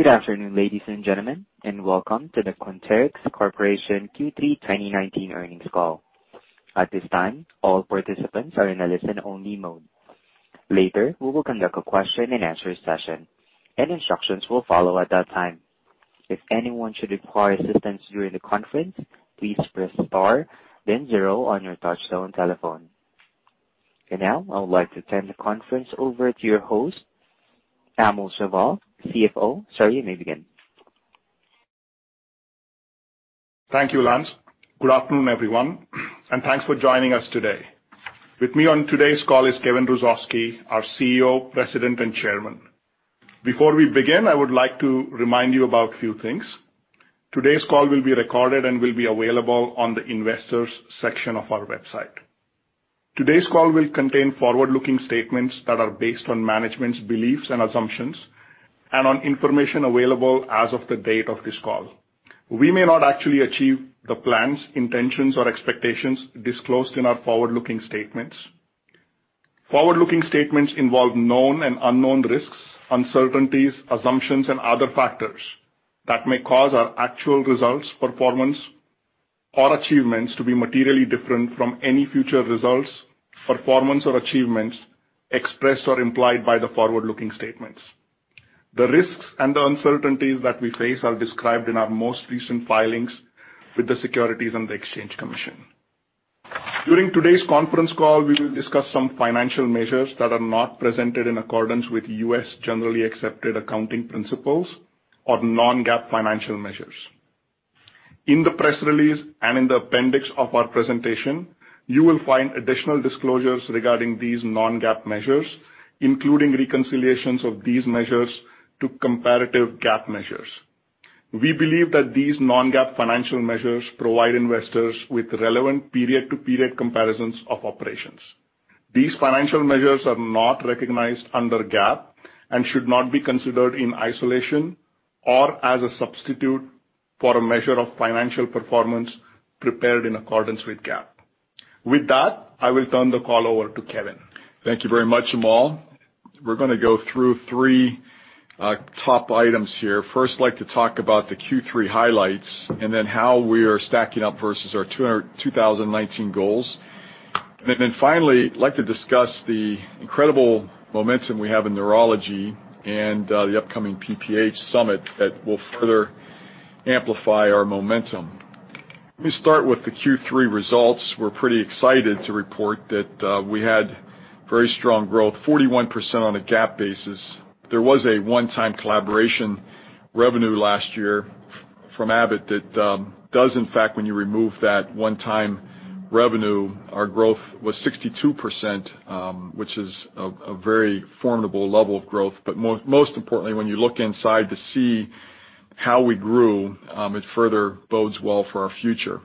Good afternoon, ladies and gentlemen, welcome to the Quanterix Corporation Q3 2019 earnings call. At this time, all participants are in a listen-only mode. Later, we will conduct a question-and-answer session, and instructions will follow at that time. If anyone should require assistance during the conference, please press star then zero on your touchtone telephone. Now, I would like to turn the conference over to your host, Amol Chaubal, CFO. Sir, you may begin. Thank you, Lance. Good afternoon, everyone, and thanks for joining us today. With me on today's call is Kevin Hrusovsky, our CEO, President, and Chairman. Before we begin, I would like to remind you about a few things. Today's call will be recorded and will be available on the investors section of our website. Today's call will contain forward-looking statements that are based on management's beliefs and assumptions and on information available as of the date of this call. We may not actually achieve the plans, intentions, or expectations disclosed in the forward-looking statements. Forward-looking statements involve known and unknown risks, uncertainties, assumptions, and other factors that may cause our actual results, performance, or achievements to be materially different from any future results, performance, or achievements expressed or implied by the forward-looking statements. The risks and the uncertainties that we face are described in our most recent filings with the Securities and Exchange Commission. During today's conference call, we will discuss some financial measures that are not presented in accordance with U.S. generally accepted accounting principles or non-GAAP financial measures. In the press release and in the appendix of our presentation, you will find additional disclosures regarding these non-GAAP measures, including reconciliations of these measures to comparative GAAP measures. We believe that these non-GAAP financial measures provide investors with relevant period-to-period comparisons of operations. These financial measures are not recognized under GAAP and should not be considered in isolation or as a substitute for a measure of financial performance prepared in accordance with GAAP. With that, I will turn the call over to Kevin. Thank you very much, Amol. We're going to go through three top items here. First, like to talk about the Q3 highlights and then how we are stacking up versus our 2019 goals. Finally, like to discuss the incredible momentum we have in neurology and the upcoming PPH Summit that will further amplify our momentum. Let me start with the Q3 results. We're pretty excited to report that we had very strong growth, 41% on a GAAP basis. There was a one-time collaboration revenue last year from Abbott that does, in fact, when you remove that one-time revenue, our growth was 62%, which is a very formidable level of growth. Most importantly, when you look inside to see how we grew, it further bodes well for our future.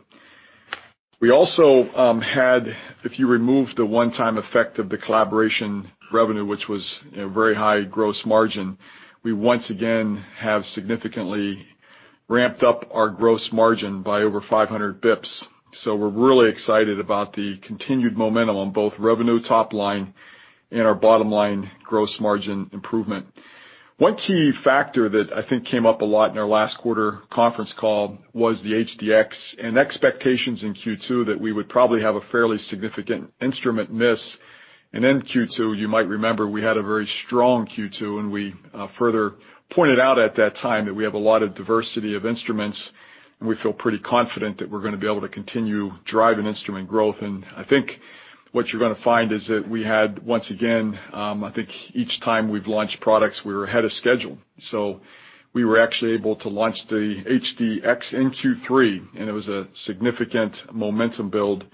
We also had, if you remove the one-time effect of the collaboration revenue, which was a very high gross margin, we once again have significantly ramped up our gross margin by over 500 basis points. We're really excited about the continued momentum on both revenue top line and our bottom line gross margin improvement. One key factor that I think came up a lot in our last quarter conference call was the HD-X and expectations in Q2 that we would probably have a fairly significant instrument miss. In Q2, you might remember we had a very strong Q2, and we further pointed out at that time that we have a lot of diversity of instruments, and we feel pretty confident that we're going to be able to continue driving instrument growth. I think what you're going to find is that we had once again, I think each time we've launched products, we were ahead of schedule. We were actually able to launch the HD-X in Q3, and it was a significant momentum build,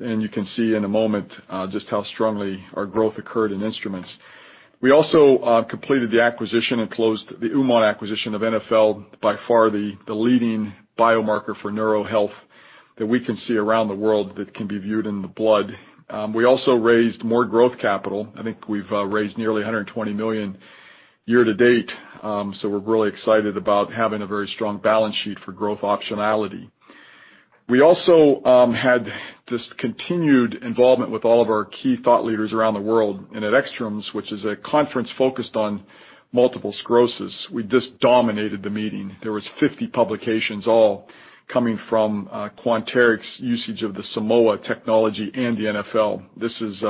and you can see in a moment just how strongly our growth occurred in instruments. We also completed the acquisition and closed the Uman acquisition of NfL, by far the leading biomarker for neuro health that we can see around the world that can be viewed in the blood. We also raised more growth capital. I think we've raised nearly $120 million year-to-date. We're really excited about having a very strong balance sheet for growth optionality. We also had this continued involvement with all of our key thought leaders around the world and at ECTRIMS, which is a conference focused on multiple sclerosis. We just dominated the meeting. There was 50 publications all coming from Quanterix usage of the Simoa technology and the NfL. This is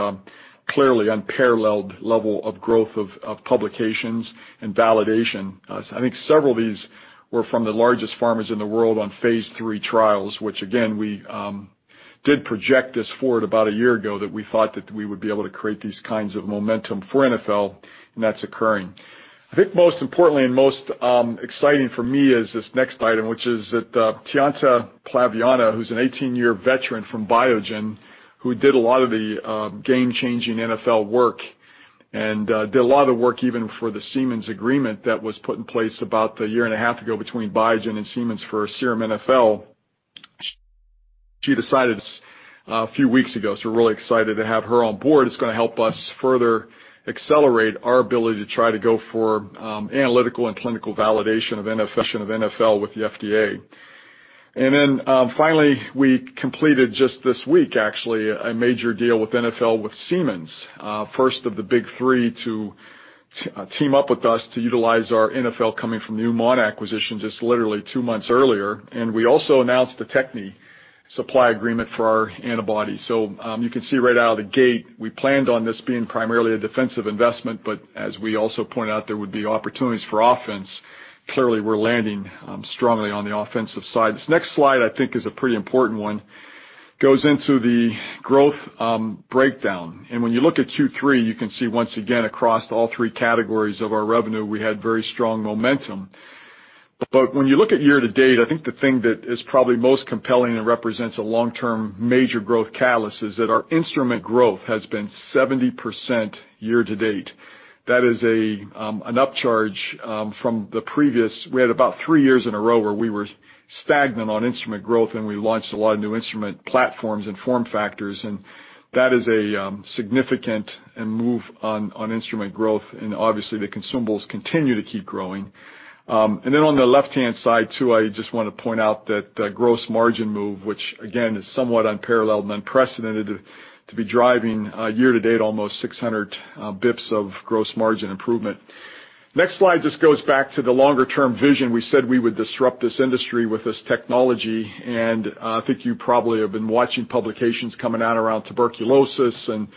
clearly unparalleled level of growth of publications and validation. I think several of these were from the largest pharmas in the world on phase III trials, which again, we did project this forward about a year ago that we thought that we would be able to create these kinds of momentum for NfL, and that's occurring. I think most importantly and most exciting for me is this next item, which is that Tatiana Plavina, who's an 18-year veteran from Biogen, who did a lot of the game-changing NfL work and did a lot of the work even for the Siemens agreement that was put in place about a year and a half ago between Biogen and Siemens for serum NfL. She decided a few weeks ago. We're really excited to have her on board. It's going to help us further accelerate our ability to try to go for analytical and clinical validation of NfL with the FDA. Finally, we completed just this week, actually, a major deal with NfL, with Siemens. First of the big three to team up with us to utilize our NfL coming from the Uman acquisition just literally two months earlier. We also announced the Techne supply agreement for our antibodies. You can see right out of the gate, we planned on this being primarily a defensive investment, but as we also pointed out, there would be opportunities for offense. Clearly, we're landing strongly on the offensive side. This next slide, I think, is a pretty important one. Goes into the growth breakdown. When you look at Q3, you can see once again, across all three categories of our revenue, we had very strong momentum. When you look at year-to-date, I think the thing that is probably most compelling and represents a long-term major growth catalyst is that our instrument growth has been 70% year-to-date. We had about three years in a row where we were stagnant on instrument growth, and we launched a lot of new instrument platforms and form factors, and that is a significant move on instrument growth. Obviously, the consumables continue to keep growing. On the left-hand side, too, I just want to point out that the gross margin move, which again is somewhat unparalleled and unprecedented to be driving year-to-date almost 600 basis points of gross margin improvement. Next slide just goes back to the longer-term vision. We said we would disrupt this industry with this technology. I think you probably have been watching publications coming out around tuberculosis and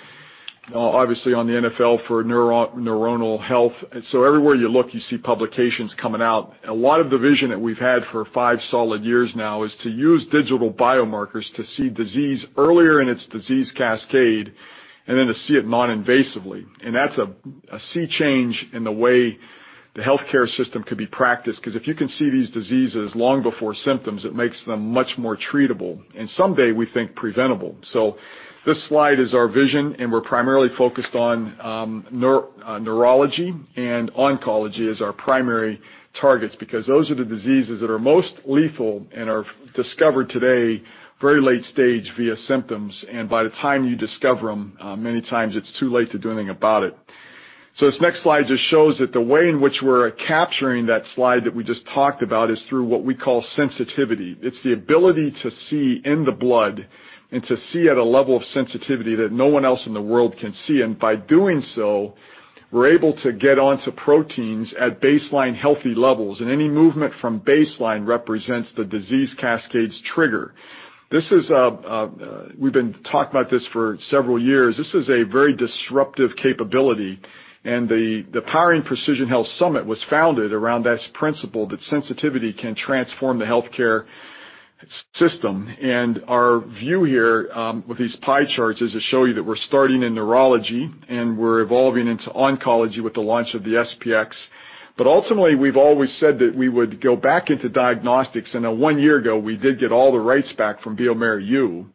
obviously on the NfL for neuronal health. Everywhere you look, you see publications coming out. A lot of the vision that we've had for five solid years now is to use digital biomarkers to see disease earlier in its disease cascade and then to see it non-invasively. That's a sea change in the way the healthcare system could be practiced. Because if you can see these diseases long before symptoms, it makes them much more treatable and someday, we think, preventable. This slide is our vision, and we're primarily focused on neurology and oncology as our primary targets because those are the diseases that are most lethal and are discovered today very late stage via symptoms, and by the time you discover them, many times it's too late to do anything about it. This next slide just shows that the way in which we're capturing that slide that we just talked about is through what we call sensitivity. It's the ability to see in the blood and to see at a level of sensitivity that no one else in the world can see. By doing so, we're able to get onto proteins at baseline healthy levels. Any movement from baseline represents the disease cascade's trigger. We've been talking about this for several years. This is a very disruptive capability, and the Powering Precision Health Summit was founded around that principle that sensitivity can transform the healthcare system. Our view here, with these pie charts, is to show you that we're starting in neurology and we're evolving into oncology with the launch of the SP-X. Ultimately, we've always said that we would go back into diagnostics. I know one year ago, we did get all the rights back from bioMérieux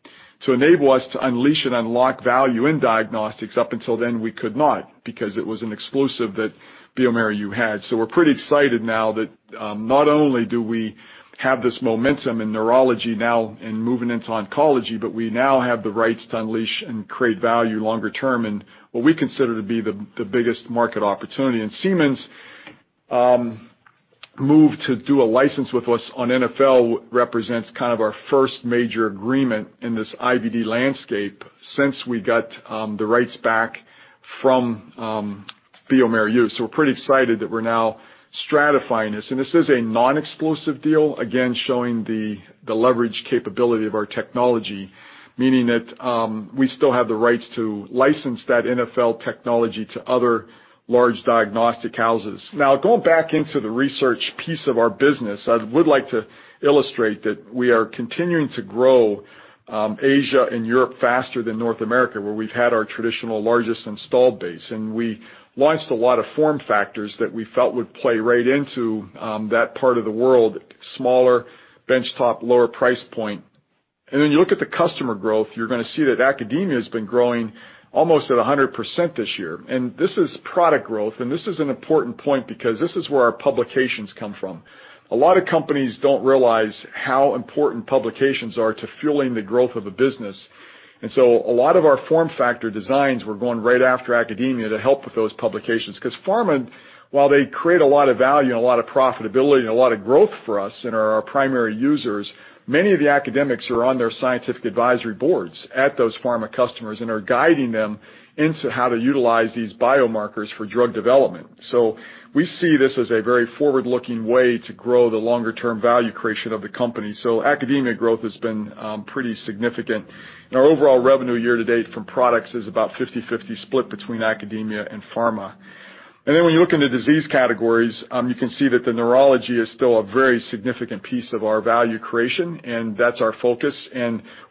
to enable us to unleash and unlock value in diagnostics. Up until then, we could not because it was an exclusive that bioMérieux had. We're pretty excited now that not only do we have this momentum in neurology now and moving into oncology, but we now have the rights to unleash and create value longer-term in what we consider to be the biggest market opportunity. Siemens' move to do a license with us on NfL represents kind of our first major agreement in this IVD landscape since we got the rights back from bioMérieux. We're pretty excited that we're now stratifying this, and this is a non-exclusive deal, again, showing the leverage capability of our technology, meaning that we still have the rights to license that NfL technology to other large diagnostic houses. Going back into the research piece of our business, I would like to illustrate that we are continuing to grow Asia and Europe faster than North America, where we've had our traditional largest installed base. We launched a lot of form factors that we felt would play right into that part of the world, smaller bench-top, lower price point. You look at the customer growth, you're going to see that academia has been growing almost at 100% this year. This is product growth, and this is an important point because this is where our publications come from. A lot of companies don't realize how important publications are to fueling the growth of a business. A lot of our form factor designs were going right after academia to help with those publications. Because pharma, while they create a lot of value and a lot of profitability and a lot of growth for us and are our primary users, many of the academics are on their scientific advisory boards at those pharma customers and are guiding them into how to utilize these biomarkers for drug development. We see this as a very forward-looking way to grow the longer-term value creation of the company. Academia growth has been pretty significant, and our overall revenue year-to-date from products is about 50/50 split between academia and pharma. When you look into disease categories, you can see that neurology is still a very significant piece of our value creation, and that's our focus.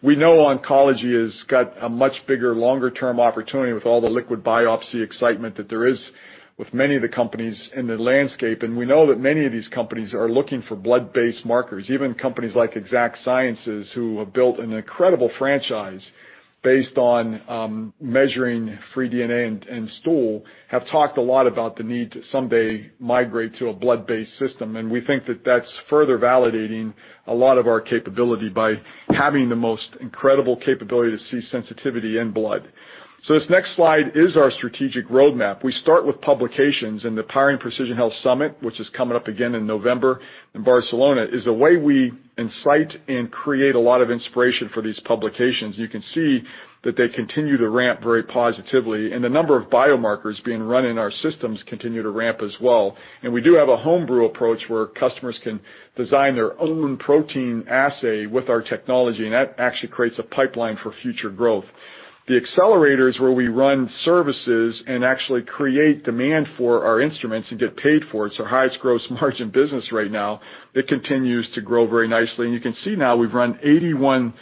We know oncology has got a much bigger, longer-term opportunity with all the liquid biopsy excitement that there is with many of the companies in the landscape. We know that many of these companies are looking for blood-based markers. Even companies like Exact Sciences, who have built an incredible franchise based on measuring free DNA in stool, have talked a lot about the need to someday migrate to a blood-based system. We think that that's further validating a lot of our capability by having the most incredible capability to see sensitivity in blood. This next slide is our strategic roadmap. We start with publications, and the Powering Precision Health Summit, which is coming up again in November in Barcelona, is a way we incite and create a lot of inspiration for these publications. You can see that they continue to ramp very positively, and the number of biomarkers being run in our systems continue to ramp as well. We do have a homebrew approach where customers can design their own protein assay with our technology, and that actually creates a pipeline for future growth. The accelerators where we run services and actually create demand for our instruments and get paid for it's our highest gross margin business right now. It continues to grow very nicely. You can see now we've run 81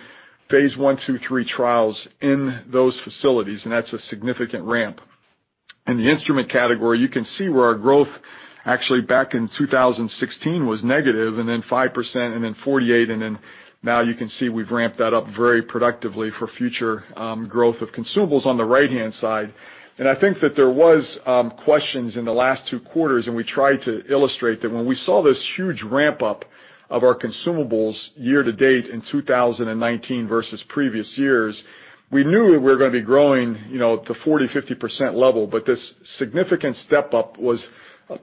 phase I, II, III trials in those facilities, and that's a significant ramp. In the instrument category, you can see where our growth actually back in 2016 was negative and then 5% and then 48%, and then now you can see we've ramped that up very productively for future growth of consumables on the right-hand side. I think that there was questions in the last two quarters, and we tried to illustrate that when we saw this huge ramp-up of our consumables year to date in 2019 versus previous years, we knew we were going to be growing the 40%-50% level. This significant step-up was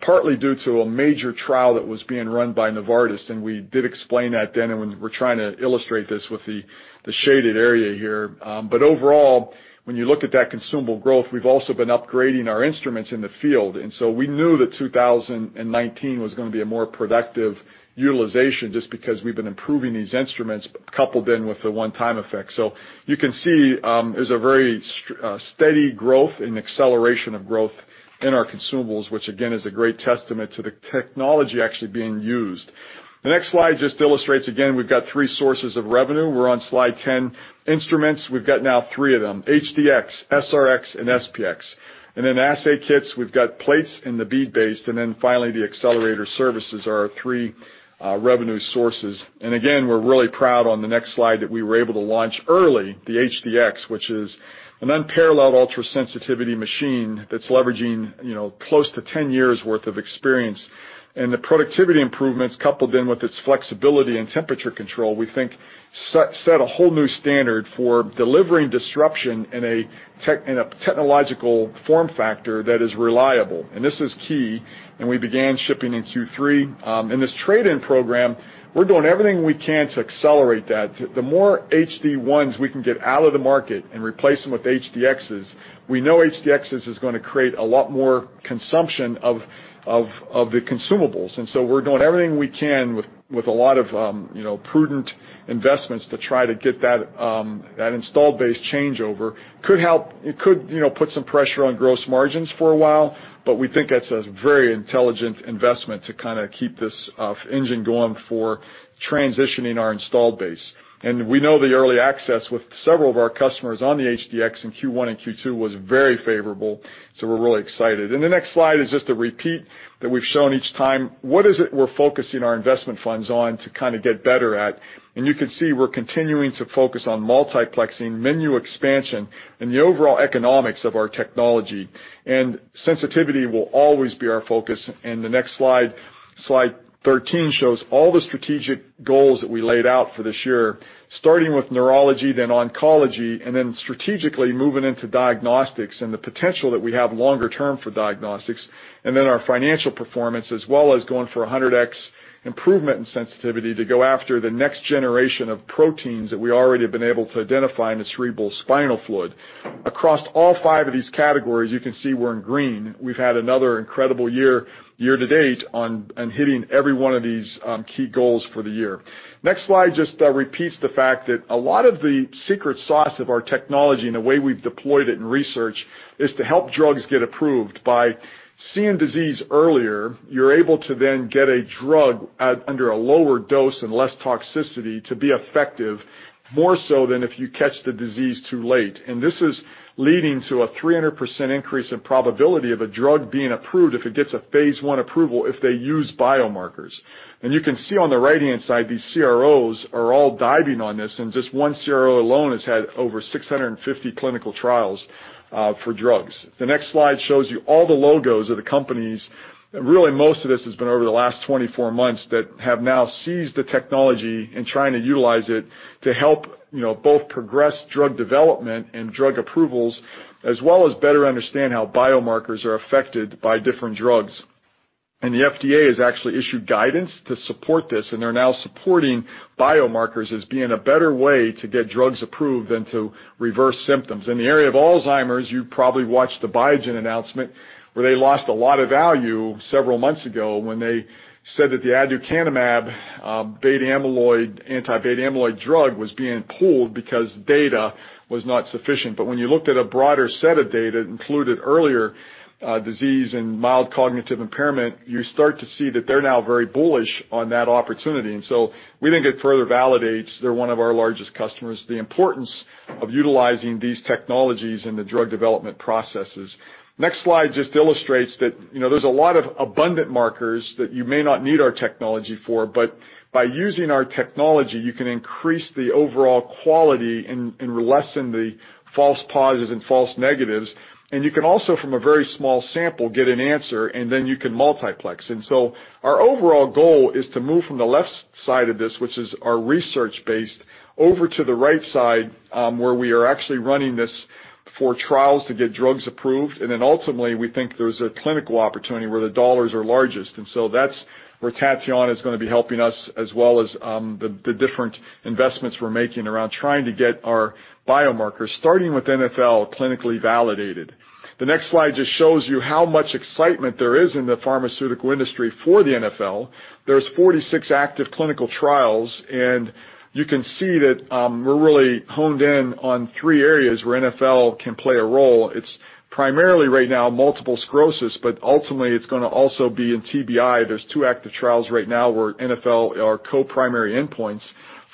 partly due to a major trial that was being run by Novartis, and we did explain that then, and we're trying to illustrate this with the shaded area here. Overall, when you look at that consumable growth, we've also been upgrading our instruments in the field. We knew that 2019 was going to be a more productive utilization just because we've been improving these instruments coupled in with the one-time effect. You can see, there's a very steady growth and acceleration of growth in our consumables, which again, is a great testament to the technology actually being used. The next slide just illustrates, again, we've got three sources of revenue. We're on Slide 10. Instruments, we've got now three of them, HD-X, SR-X, and SP-X. Assay kits, we've got plates and the bead-based. Finally, the accelerator services are our three revenue sources. Again, we're really proud on the next slide that we were able to launch early the HD-X, which is an unparalleled ultra-sensitivity machine that's leveraging close to 10 years' worth of experience. The productivity improvements coupled in with its flexibility and temperature control, we think set a whole new standard for delivering disruption in a technological form factor that is reliable. This is key. We began shipping in Q3. In this trade-in program, we're doing everything we can to accelerate that. The more HD-1s we can get out of the market and replace them with HD-Xs, we know HD-X is going to create a lot more consumption of the consumables. We're doing everything we can with a lot of prudent investments to try to get that installed base changeover. It could put some pressure on gross margins for a while, but we think that's a very intelligent investment to keep this engine going for transitioning our installed base. We know the early access with several of our customers on the HD-X in Q1 and Q2 was very favorable, so we're really excited. The next slide is just a repeat that we've shown each time. What is it we're focusing our investment funds on to get better at? You can see we're continuing to focus on multiplexing, menu expansion, and the overall economics of our technology. Sensitivity will always be our focus. The next Slide 13, shows all the strategic goals that we laid out for this year, starting with neurology, then oncology, and then strategically moving into diagnostics and the potential that we have longer term for diagnostics, and then our financial performance, as well as going for 100x improvement in sensitivity to go after the next generation of proteins that we already have been able to identify in the cerebrospinal fluid. Across all five of these categories, you can see we're in green. We've had another incredible year-to-date on hitting every one of these key goals for the year. Next slide just repeats the fact that a lot of the secret sauce of our technology and the way we've deployed it in research is to help drugs get approved. By seeing disease earlier, you're able to then get a drug at under a lower dose and less toxicity to be effective, more so than if you catch the disease too late. This is leading to a 300% increase in probability of a drug being approved if it gets a phase I approval if they use biomarkers. You can see on the right-hand side, these CROs are all diving on this, and just one CRO alone has had over 650 clinical trials for drugs. The next slide shows you all the logos of the companies, really most of this has been over the last 24 months, that have now seized the technology and trying to utilize it to help both progress drug development and drug approvals, as well as better understand how biomarkers are affected by different drugs. The FDA has actually issued guidance to support this, and they're now supporting biomarkers as being a better way to get drugs approved than to reverse symptoms. In the area of Alzheimer's, you probably watched the Biogen announcement where they lost a lot of value several months ago when they said that the aducanumab anti-beta amyloid drug was being pulled because data was not sufficient. When you looked at a broader set of data that included earlier disease and mild cognitive impairment, you start to see that they're now very bullish on that opportunity. We think it further validates, they're one of our largest customers, the importance of utilizing these technologies in the drug development processes. Next slide just illustrates that there's a lot of abundant markers that you may not need our technology for, but by using our technology, you can increase the overall quality and lessen the false positives and false negatives. You can also, from a very small sample, get an answer, and then you can multiplex. Our overall goal is to move from the left side of this, which is our research-based, over to the right side, where we are actually running this for trials to get drugs approved. Ultimately, we think there's a clinical opportunity where the dollars are largest. That's where Tatiana is going to be helping us, as well as the different investments we're making around trying to get our biomarkers, starting with NfL, clinically validated. The next slide just shows you how much excitement there is in the pharmaceutical industry for the NfL. There's 46 active clinical trials, and you can see that we're really honed in on three areas where NfL can play a role. It's primarily right now, multiple sclerosis, but ultimately it's going to also be in TBI. There's two active trials right now where NfL are co-primary endpoints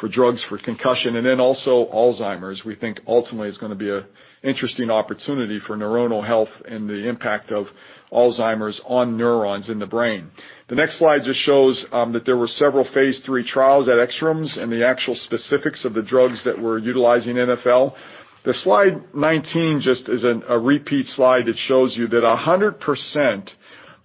for drugs for concussion, and then also Alzheimer's, we think ultimately is going to be an interesting opportunity for neuronal health and the impact of Alzheimer's on neurons in the brain. The next slide just shows that there were several phase III trials at ECTRIMS and the actual specifics of the drugs that were utilizing NfL. The Slide 19 just is a repeat slide that shows you that 100%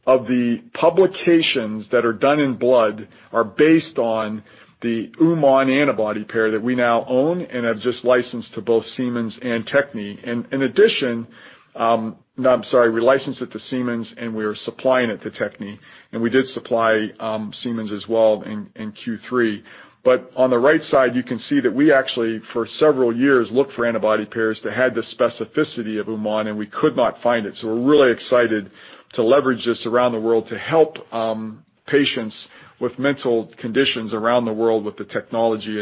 of the publications that are done in blood are based on the Uman antibody pair that we now own and have just licensed to both Siemens and Techne. In addition, no, I'm sorry, we licensed it to Siemens, and we are supplying it to Techne, and we did supply Siemens as well in Q3. On the right side, you can see that we actually, for several years, looked for antibody pairs that had the specificity of Uman, and we could not find it. We're really excited to leverage this around the world to help patients with mental conditions around the world with the technology.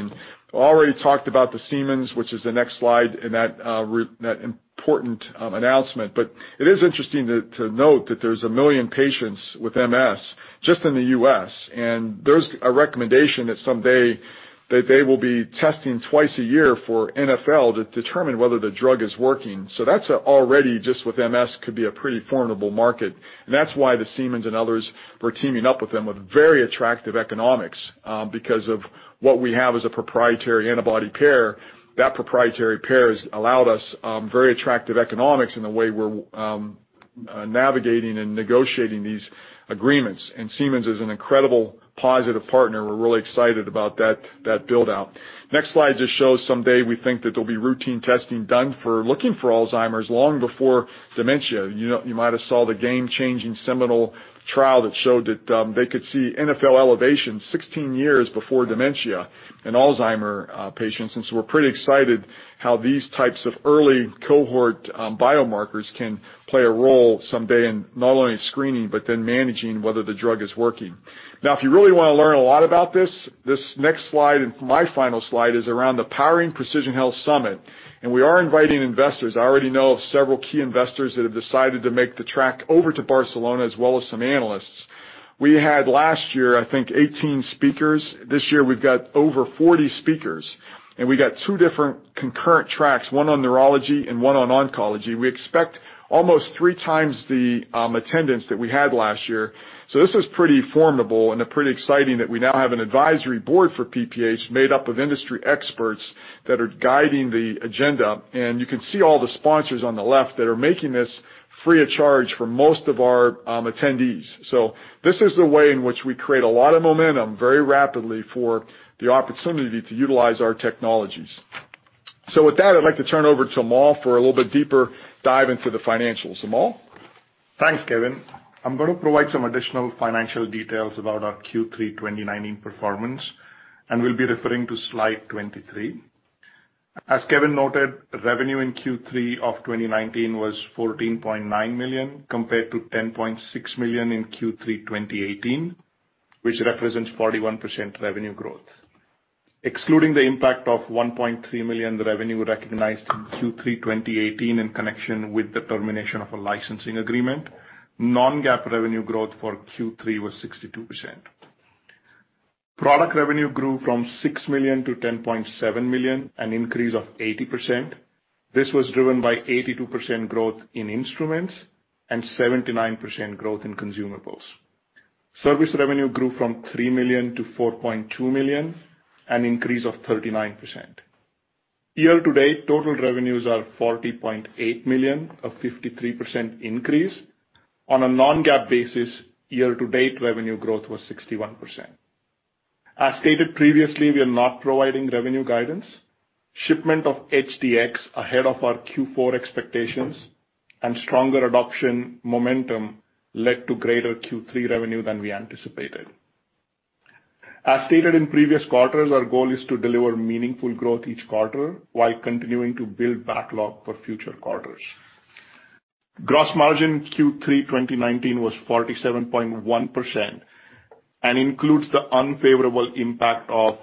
Already talked about the Siemens, which is the next slide in that route, that important announcement. It is interesting to note that there's 1 million patients with MS just in the U.S., and there's a recommendation that someday that they will be testing twice a year for NfL to determine whether the drug is working. That's already just with MS, could be a pretty formidable market, and that's why the Siemens and others were teaming up with them with very attractive economics. Because of what we have as a proprietary antibody pair, that proprietary pair has allowed us very attractive economics in the way we're navigating and negotiating these agreements. Siemens is an incredible positive partner. We're really excited about that build-out. Next slide just shows someday we think that there'll be routine testing done for looking for Alzheimer's long before dementia. You might have saw the game-changing seminal trial that showed that they could see NfL elevations 16 years before dementia in Alzheimer's patients. We're pretty excited how these types of early cohort biomarkers can play a role someday in not only screening, but then managing whether the drug is working. Now, if you really want to learn a lot about this next slide and my final slide is around the Powering Precision Health Summit. We are inviting investors. I already know of several key investors that have decided to make the trek over to Barcelona as well as some analysts. We had last year, I think, 18 speakers. This year we've got over 40 speakers. We got two different concurrent tracks, one on neurology and one on oncology. We expect almost three times the attendance that we had last year. This is pretty formidable and pretty exciting that we now have an advisory board for PPH made up of industry experts that are guiding the agenda. You can see all the sponsors on the left that are making this free of charge for most of our attendees. This is the way in which we create a lot of momentum very rapidly for the opportunity to utilize our technologies. With that, I'd like to turn over to Amol for a little bit deeper dive into the financials. Amol? Thanks, Kevin. I'm going to provide some additional financial details about our Q3 2019 performance. We'll be referring to slide 23. As Kevin noted, revenue in Q3 of 2019 was $14.9 million, compared to $10.6 million in Q3 2018, which represents 41% revenue growth. Excluding the impact of $1.3 million revenue recognized in Q3 2018 in connection with the termination of a licensing agreement, non-GAAP revenue growth for Q3 was 62%. Product revenue grew from $6 million-$10.7 million, an increase of 80%. This was driven by 82% growth in instruments and 79% growth in consumables. Service revenue grew from $3 million to $4.2 million, an increase of 39%. Year-to-date, total revenues are $40.8 million, a 53% increase. On a non-GAAP basis, year-to-date revenue growth was 61%. As stated previously, we are not providing revenue guidance. Shipment of HD-X ahead of our Q4 expectations and stronger adoption momentum led to greater Q3 revenue than we anticipated. As stated in previous quarters, our goal is to deliver meaningful growth each quarter while continuing to build backlog for future quarters. Gross margin Q3 2019 was 47.1% and includes the unfavorable impact of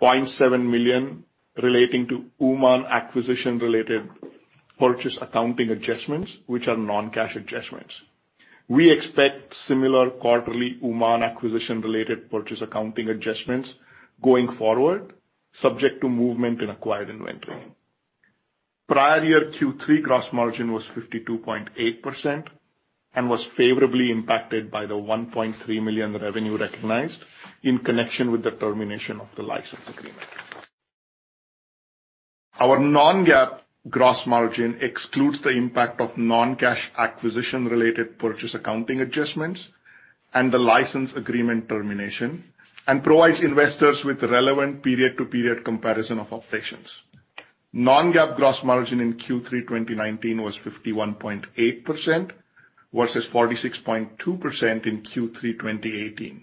$0.7 million relating to Uman acquisition-related purchase accounting adjustments, which are non-cash adjustments. We expect similar quarterly Uman acquisition-related purchase accounting adjustments going forward, subject to movement in acquired inventory. Prior year Q3 gross margin was 52.8% and was favorably impacted by the $1.3 million revenue recognized in connection with the termination of the license agreement. Our non-GAAP gross margin excludes the impact of non-cash acquisition-related purchase accounting adjustments and the license agreement termination and provides investors with relevant period-to-period comparison of operations. Non-GAAP gross margin in Q3 2019 was 51.8%, versus 46.2% in Q3 2018.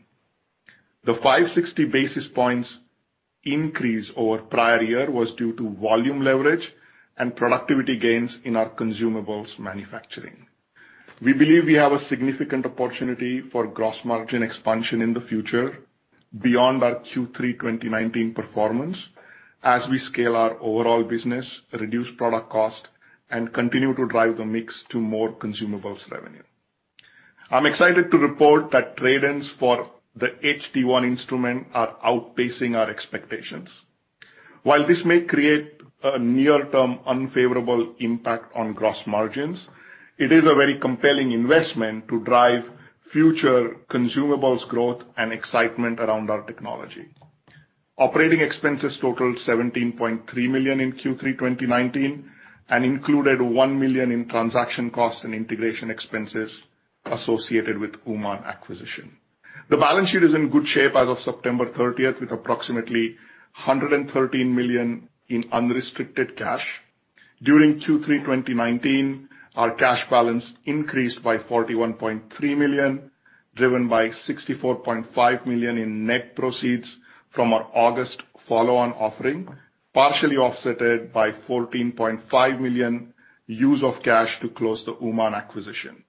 The 560 basis points increase over prior year was due to volume leverage and productivity gains in our consumables manufacturing. We believe we have a significant opportunity for gross margin expansion in the future beyond our Q3 2019 performance as we scale our overall business, reduce product cost, and continue to drive the mix to more consumables revenue. I'm excited to report that trade-ins for the HD-1 instrument are outpacing our expectations. While this may create a near-term unfavorable impact on gross margins, it is a very compelling investment to drive future consumables growth and excitement around our technology. Operating expenses totaled $17.3 million in Q3 2019, included $1 million in transaction costs and integration expenses associated with Uman acquisition. The balance sheet is in good shape as of September 30th, with approximately $113 million in unrestricted cash. During Q3 2019, our cash balance increased by $41.3 million, driven by $64.5 million in net proceeds from our August follow-on offering, partially offset by $14.5 million use of cash to close the Uman acquisition.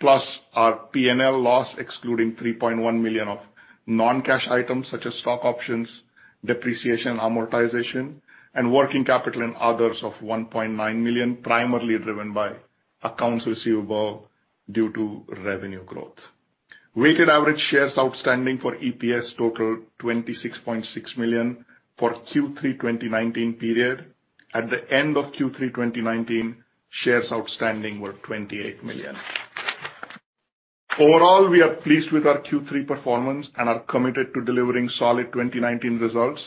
Plus, our P&L loss excluding $3.1 million of non-cash items such as stock options, depreciation, amortization, and working capital and others of $1.9 million, primarily driven by accounts receivable due to revenue growth. Weighted average shares outstanding for EPS totaled 26.6 million for Q3 2019 period. At the end of Q3 2019, shares outstanding were 28 million. Overall, we are pleased with our Q3 performance and are committed to delivering solid 2019 results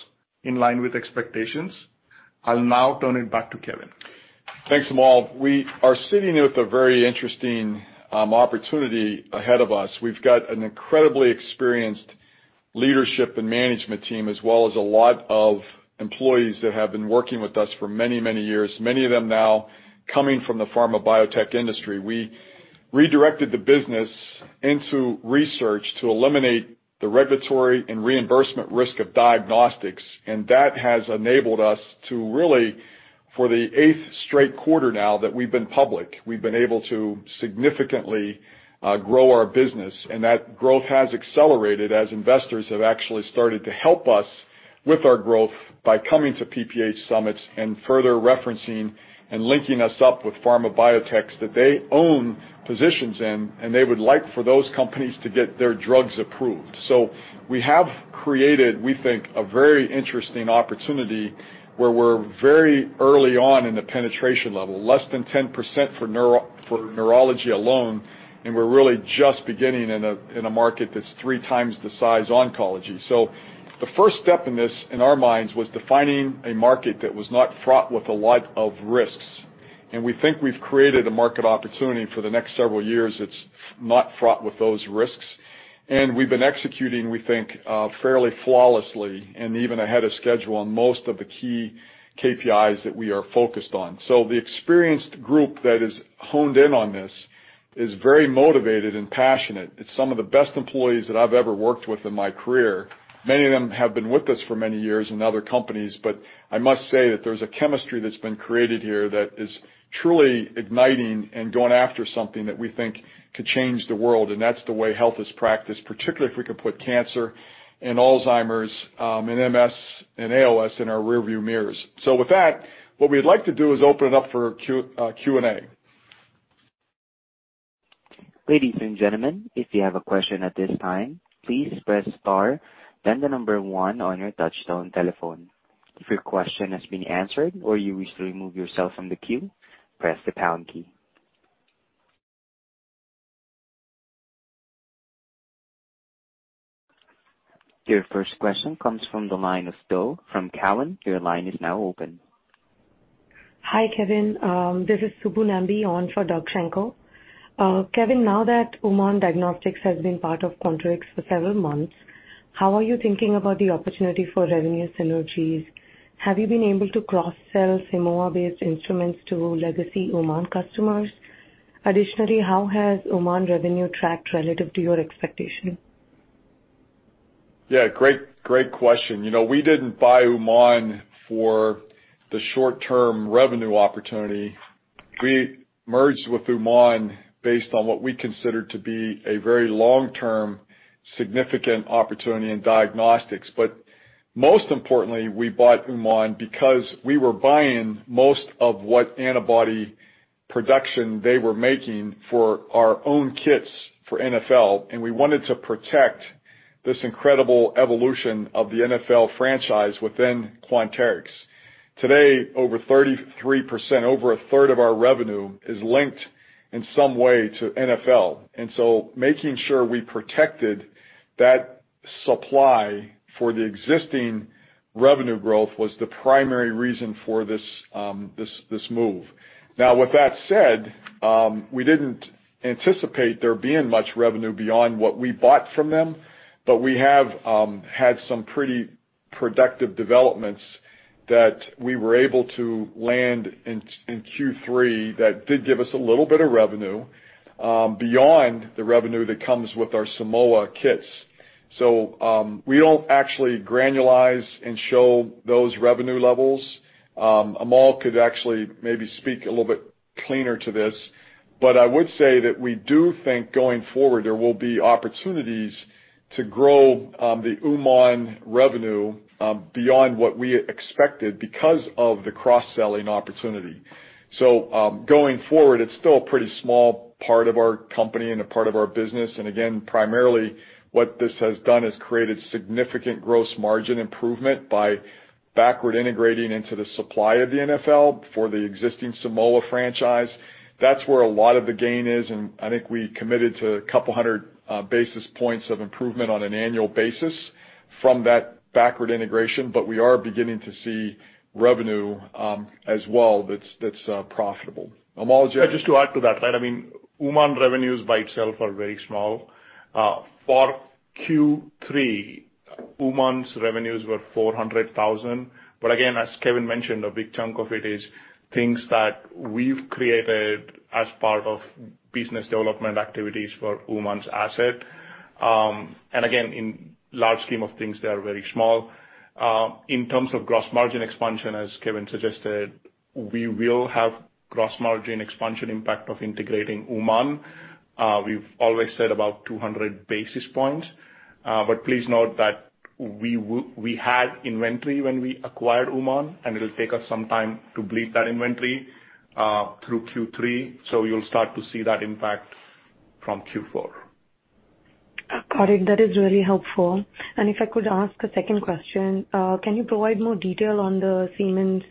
in line with expectations. I'll now turn it back to Kevin. Thanks, Amol. We are sitting with a very interesting opportunity ahead of us. We've got an incredibly experienced leadership and management team, as well as a lot of employees that have been working with us for many, many years, many of them now coming from the pharma biotech industry. We redirected the business into research to eliminate the regulatory and reimbursement risk of diagnostics. That has enabled us to really, for the eighth straight quarter now that we've been public, we've been able to significantly grow our business, and that growth has accelerated as investors have actually started to help us with our growth by coming to PPH Summits and further referencing and linking us up with pharma biotechs that they own positions in and they would like for those companies to get their drugs approved. We have created, we think, a very interesting opportunity where we're very early on in the penetration level, less than 10% for neurology alone, and we're really just beginning in a market that's 3x the size oncology. The first step in this, in our minds, was defining a market that was not fraught with a lot of risks. We think we've created a market opportunity for the next several years that's not fraught with those risks. We've been executing, we think, fairly flawlessly and even ahead of schedule on most of the key KPIs that we are focused on. The experienced group that is honed in on this is very motivated and passionate. It's some of the best employees that I've ever worked with in my career. Many of them have been with us for many years in other companies, but I must say that there's a chemistry that's been created here that is truly igniting and going after something that we think could change the world, and that's the way health is practiced, particularly if we could put cancer and Alzheimer's, and MS and ALS in our rear view mirrors. With that, what we'd like to do is open it up for Q&A. Ladies and gentlemen, if you have a question at this time, please press star then the number one on your touchtone telephone. If your question has been answered or you wish to remove yourself from the queue, press the pound key. Your first question comes from the line of Bill from Cowen. Your line is now open. Hi, Kevin. This is Subbu Nambi on for Doug Schenkel. Kevin, now that UmanDiagnostics has been part of Quanterix for several months, how are you thinking about the opportunity for revenue synergies? Have you been able to cross-sell Simoa-based instruments to legacy Uman customers? Additionally, how has Uman revenue tracked relative to your expectation? Yeah, great question. We didn't buy Uman for the short-term revenue opportunity. We merged with Uman based on what we considered to be a very long-term significant opportunity in diagnostics. Most importantly, we bought Uman because we were buying most of what antibody production they were making for our own kits for NfL, and we wanted to protect this incredible evolution of the NfL franchise within Quanterix. Today, over 33%, over a third of our revenue is linked in some way to NfL. Making sure we protected that supply for the existing revenue growth was the primary reason for this move. We didn't anticipate there being much revenue beyond what we bought from them, but we have had some pretty productive developments that we were able to land in Q3 that did give us a little bit of revenue, beyond the revenue that comes with our Simoa kits. We don't actually granulize and show those revenue levels. Amol could actually maybe speak a little bit cleaner to this. I would say that we do think going forward, there will be opportunities to grow, the Uman revenue, beyond what we expected because of the cross-selling opportunity. Going forward, it's still a pretty small part of our company and a part of our business. Again, primarily what this has done is created significant gross margin improvement by backward integrating into the supply of the NfL for the existing Simoa franchise. That's where a lot of the gain is, and I think we committed to a couple hundred basis points of improvement on an annual basis from that backward integration. But we are beginning to see revenue, as well, that's profitable. Amol, do you- Yeah, just to add to that, right, Uman revenues by itself are very small. For Q3, Uman's revenues were $400,000. Again, as Kevin mentioned, a big chunk of it is things that we've created as part of business development activities for Uman's asset. Again, in large scheme of things, they are very small. In terms of gross margin expansion, as Kevin suggested, we will have gross margin expansion impact of integrating Uman. We've always said about 200 basis points. Please note that we had inventory when we acquired Uman, and it'll take us some time to bleed that inventory through Q3. You'll start to see that impact from Q4. Got it. That is really helpful. If I could ask a second question, can you provide more detail on the Siemens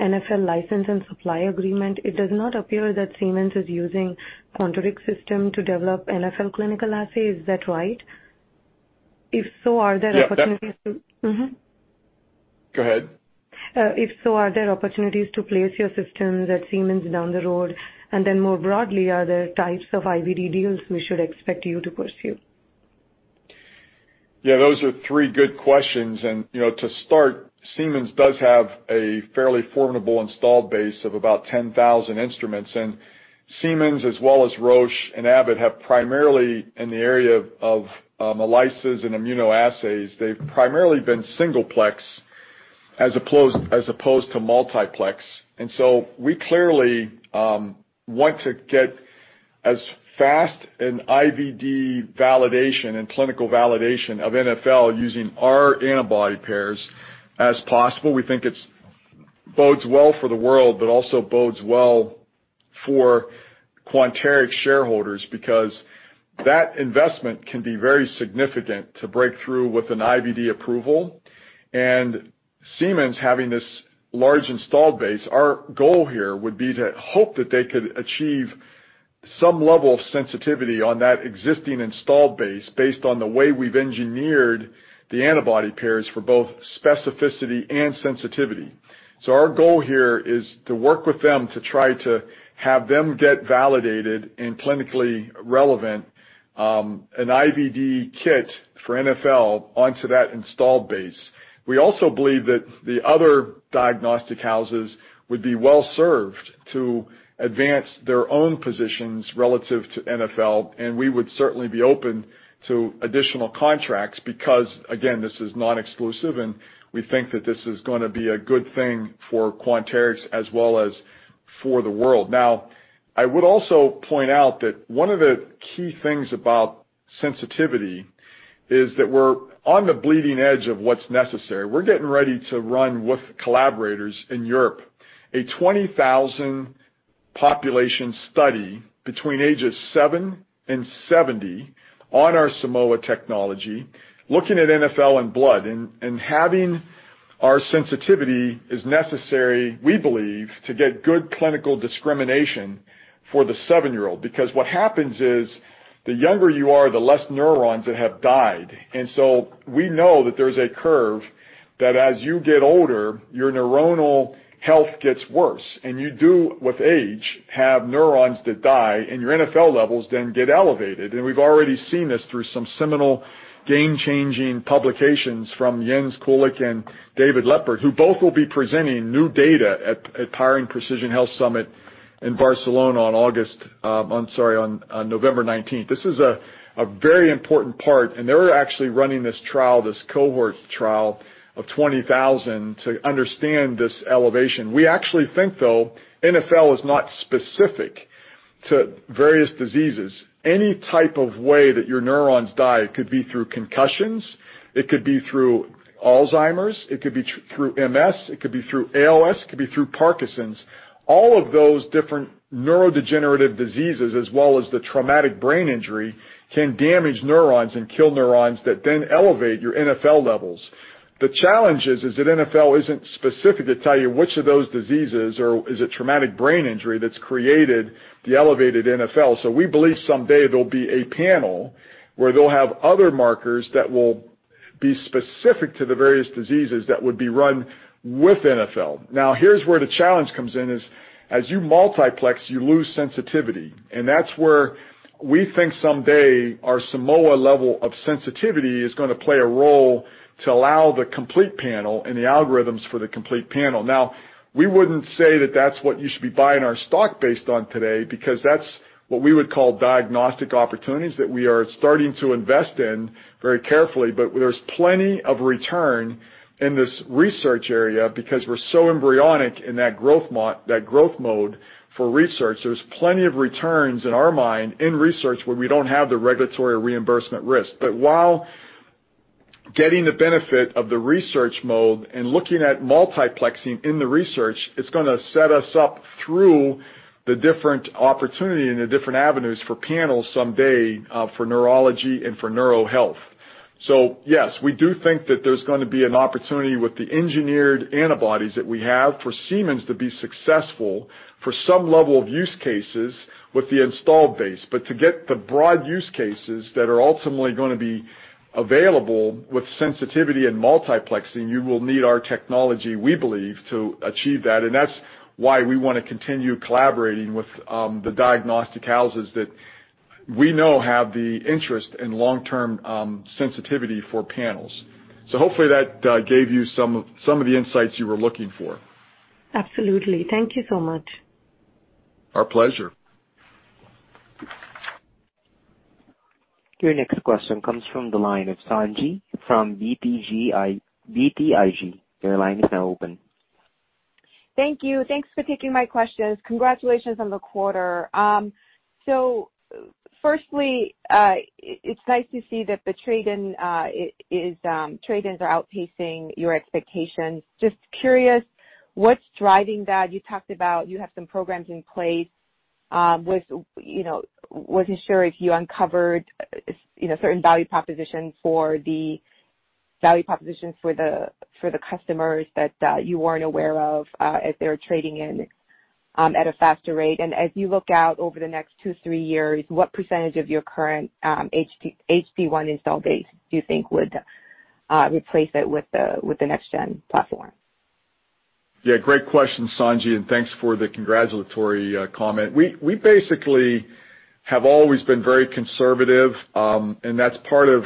NfL license and supply agreement? It does not appear that Siemens is using Quanterix system to develop NfL clinical assays. Is that right? If so, are there opportunities to- Yeah. Go ahead. If so, are there opportunities to place your systems at Siemens down the road? More broadly, are there types of IVD deals we should expect you to pursue? Yeah, those are three good questions. To start, Siemens does have a fairly formidable installed base of about 10,000 instruments. Siemens as well as Roche and Abbott have primarily in the area of ELISA and immunoassays, they've primarily been singleplex as opposed to multiplex. We clearly want to get as fast an IVD validation and clinical validation of NfL using our antibody pairs as possible. We think it bodes well for the world, but also bodes well for Quanterix shareholders because that investment can be very significant to break through with an IVD approval. Siemens having this large installed base, our goal here would be to hope that they could achieve some level of sensitivity on that existing installed base based on the way we've engineered the antibody pairs for both specificity and sensitivity. Our goal here is to work with them to try to have them get validated and clinically relevant, an IVD kit for NfL onto that installed base. We also believe that the other diagnostic houses would be well-served to advance their own positions relative to NfL, and we would certainly be open to additional contracts because, again, this is non-exclusive, and we think that this is going to be a good thing for Quanterix as well as for the world. I would also point out that one of the key things about sensitivity is that we're on the bleeding edge of what's necessary. We're getting ready to run with collaborators in Europe, a 20,000 population study between ages seven and 70 on our Simoa technology, looking at NfL in blood. Having our sensitivity is necessary, we believe, to get good clinical discrimination for the seven-year-old. Because what happens is, the younger you are, the less neurons that have died. We know that there's a curve that as you get older, your neuronal health gets worse. You do, with age, have neurons that die, and your NfL levels then get elevated. We've already seen this through some seminal game-changing publications from Jens Kuhle and David Leppert, who both will be presenting new data at Powering Precision Health Summit in Barcelona on November 19th. This is a very important part, and they're actually running this trial, this cohort trial of 20,000 to understand this elevation. We actually think, though, NfL is not specific to various diseases. Any type of way that your neurons die, it could be through concussions, it could be through Alzheimer's, it could be through MS, it could be through ALS, it could be through Parkinson's. All of those different neurodegenerative diseases, as well as the traumatic brain injury, can damage neurons and kill neurons that then elevate your NfL levels. The challenge is that NfL isn't specific to tell you which of those diseases or is it traumatic brain injury that's created the elevated NfL. We believe someday there'll be a panel where they'll have other markers that will be specific to the various diseases that would be run with NfL. Here's where the challenge comes in, is as you multiplex, you lose sensitivity. That's where we think someday our Simoa level of sensitivity is going to play a role to allow the complete panel and the algorithms for the complete panel. We wouldn't say that that's what you should be buying our stock based on today, because that's what we would call diagnostic opportunities that we are starting to invest in very carefully. There's plenty of return in this research area because we're so embryonic in that growth mode for research. There's plenty of returns in our mind in research where we don't have the regulatory reimbursement risk. While getting the benefit of the research mode and looking at multiplexing in the research, it's going to set us up through the different opportunity and the different avenues for panels someday, for neurology and for neuro health. Yes, we do think that there's going to be an opportunity with the engineered antibodies that we have for Siemens to be successful for some level of use cases with the installed base. To get the broad use cases that are ultimately going to be available with sensitivity and multiplexing, you will need our technology, we believe, to achieve that. That's why we want to continue collaborating with the diagnostic houses that we know have the interest in long-term sensitivity for panels. Hopefully that gave you some of the insights you were looking for. Absolutely. Thank you so much. Our pleasure. Your next question comes from the line of Sung Ji from BTIG. Your line is now open. Thank you. Thanks for taking my questions. Congratulations on the quarter. Firstly, it's nice to see that the trade-ins are outpacing your expectations. Just curious, what's driving that? You talked about you have some programs in place. Wasn't sure if you uncovered certain value propositions for the customers that you weren't aware of, if they were trading in at a faster rate. As you look out over the next two, three years, what percentage of your current HD-1 install base do you think would replace it with the next gen platform? Yeah, great question, Sung Ji. Thanks for the congratulatory comment. We basically have always been very conservative. That's part of,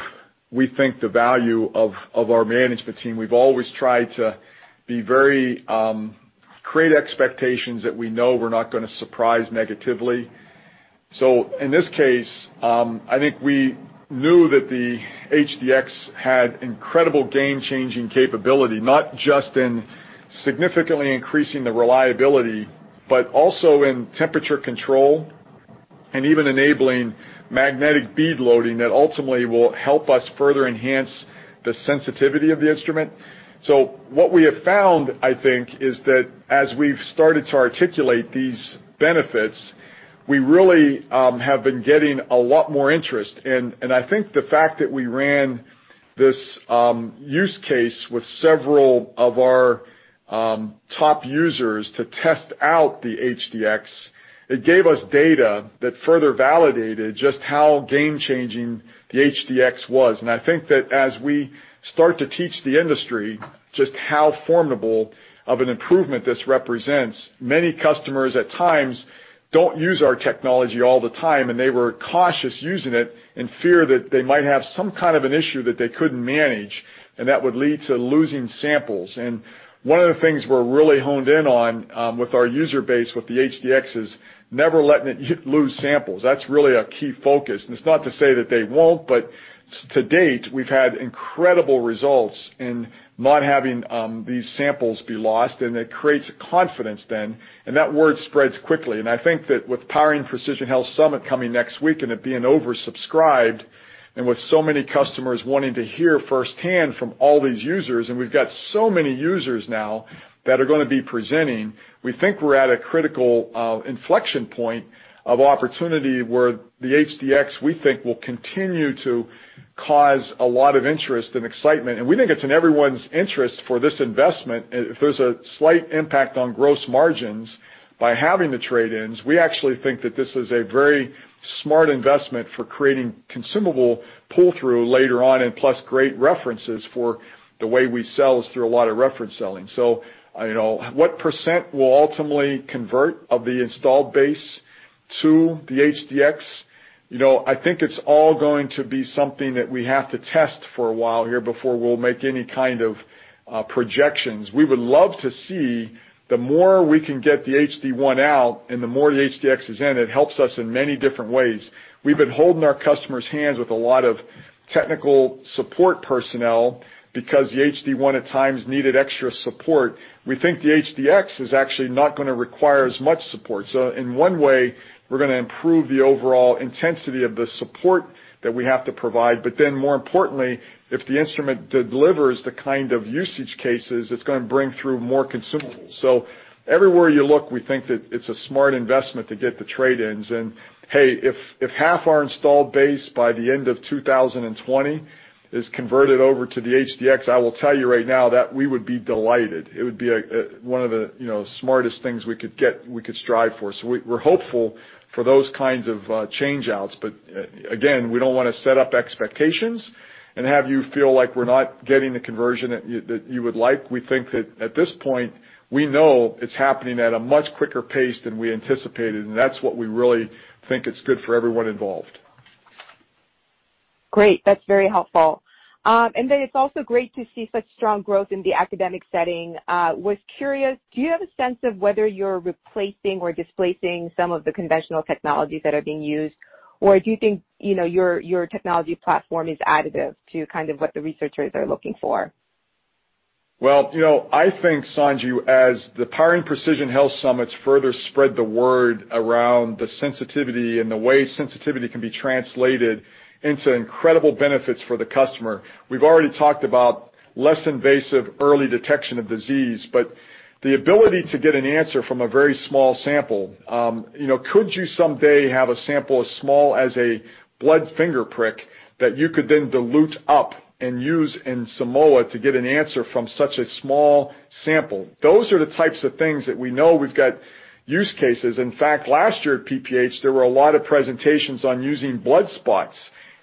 we think, the value of our management team. We've always tried to create expectations that we know we're not going to surprise negatively. In this case, I think we knew that the HD-X had incredible game-changing capability, not just in significantly increasing the reliability, but also in temperature control and even enabling magnetic bead loading that ultimately will help us further enhance the sensitivity of the instrument. What we have found, I think, is that as we've started to articulate these benefits, we really have been getting a lot more interest. I think the fact that we ran this use case with several of our top users to test out the HD-X, it gave us data that further validated just how game-changing the HD-X was. I think that as we start to teach the industry just how formidable of an improvement this represents, many customers at times don't use our technology all the time, and they were cautious using it in fear that they might have some kind of an issue that they couldn't manage and that would lead to losing samples. One of the things we're really honed in on with our user base with the HD-X is never letting it lose samples. That's really a key focus. It's not to say that they won't, but to date, we've had incredible results in not having these samples be lost. It creates a confidence then, and that word spreads quickly. I think that with Powering Precision Health Summit coming next week and it being oversubscribed and with so many customers wanting to hear firsthand from all these users, and we've got so many users now that are going to be presenting, we think we're at a critical inflection point of opportunity where the HD-X, we think, will continue to cause a lot of interest and excitement. We think it's in everyone's interest for this investment. If there's a slight impact on gross margins by having the trade-ins, we actually think that this is a very smart investment for creating consumable pull-through later on, and plus great references for the way we sell is through a lot of reference selling. What percent will ultimately convert of the installed base to the HD-X? I think it's all going to be something that we have to test for a while here before we'll make any kind of projections. We would love to see the more we can get the HD-1 out and the more the HD-X is in, it helps us in many different ways. We've been holding our customers' hands with a lot of technical support personnel because the HD-1 at times needed extra support. We think the HD-X is actually not going to require as much support. In one way, we're going to improve the overall intensity of the support that we have to provide. More importantly, if the instrument delivers the kind of usage cases, it's going to bring through more consumables. Everywhere you look, we think that it's a smart investment to get the trade-ins. Hey, if half our installed base by the end of 2020 is converted over to the HD-X, I will tell you right now that we would be delighted. It would be one of the smartest things we could strive for. We're hopeful for those kinds of change-outs. Again, we don't want to set up expectations and have you feel like we're not getting the conversion that you would like. We think that at this point, we know it's happening at a much quicker pace than we anticipated, and that's what we really think is good for everyone involved. Great. That's very helpful. It's also great to see such strong growth in the academic setting. Was curious, do you have a sense of whether you're replacing or displacing some of the conventional technologies that are being used? Do you think your technology platform is additive to kind of what the researchers are looking for? Well, I think, Sung Ji, as the Powering Precision Health Summits further spread the word around the sensitivity and the way sensitivity can be translated into incredible benefits for the customer, we've already talked about less invasive early detection of disease, but the ability to get an answer from a very small sample. Could you someday have a sample as small as a blood finger prick that you could then dilute up and use in Simoa to get an answer from such a small sample? Those are the types of things that we know we've got use cases. In fact, last year at PPH, there were a lot of presentations on using blood spots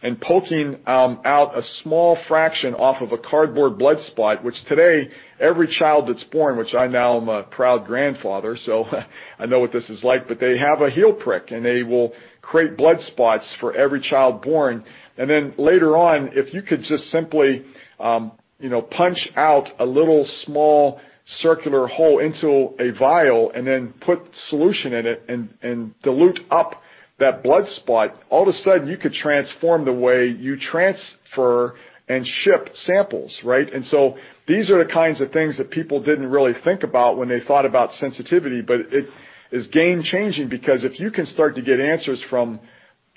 and poking out a small fraction off of a cardboard blood spot, which today every child that's born, which I now am a proud grandfather, so I know what this is like, but they have a heel prick, and they will create blood spots for every child born. Later on, if you could just simply punch out a little small circular hole into a vial and then put solution in it and dilute up that blood spot, all of a sudden you could transform the way you transfer and ship samples, right? These are the kinds of things that people didn't really think about when they thought about sensitivity, but it is game changing because if you can start to get answers from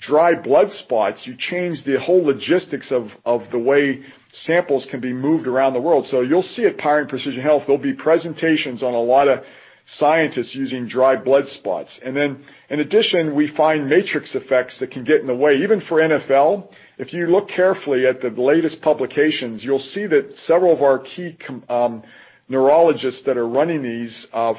dry blood spots, you change the whole logistics of the way samples can be moved around the world. You'll see at Powering Precision Health, there'll be presentations on a lot of scientists using dry blood spots. In addition, we find matrix effects that can get in the way, even for NfL. If you look carefully at the latest publications, you'll see that several of our key neurologists that are running these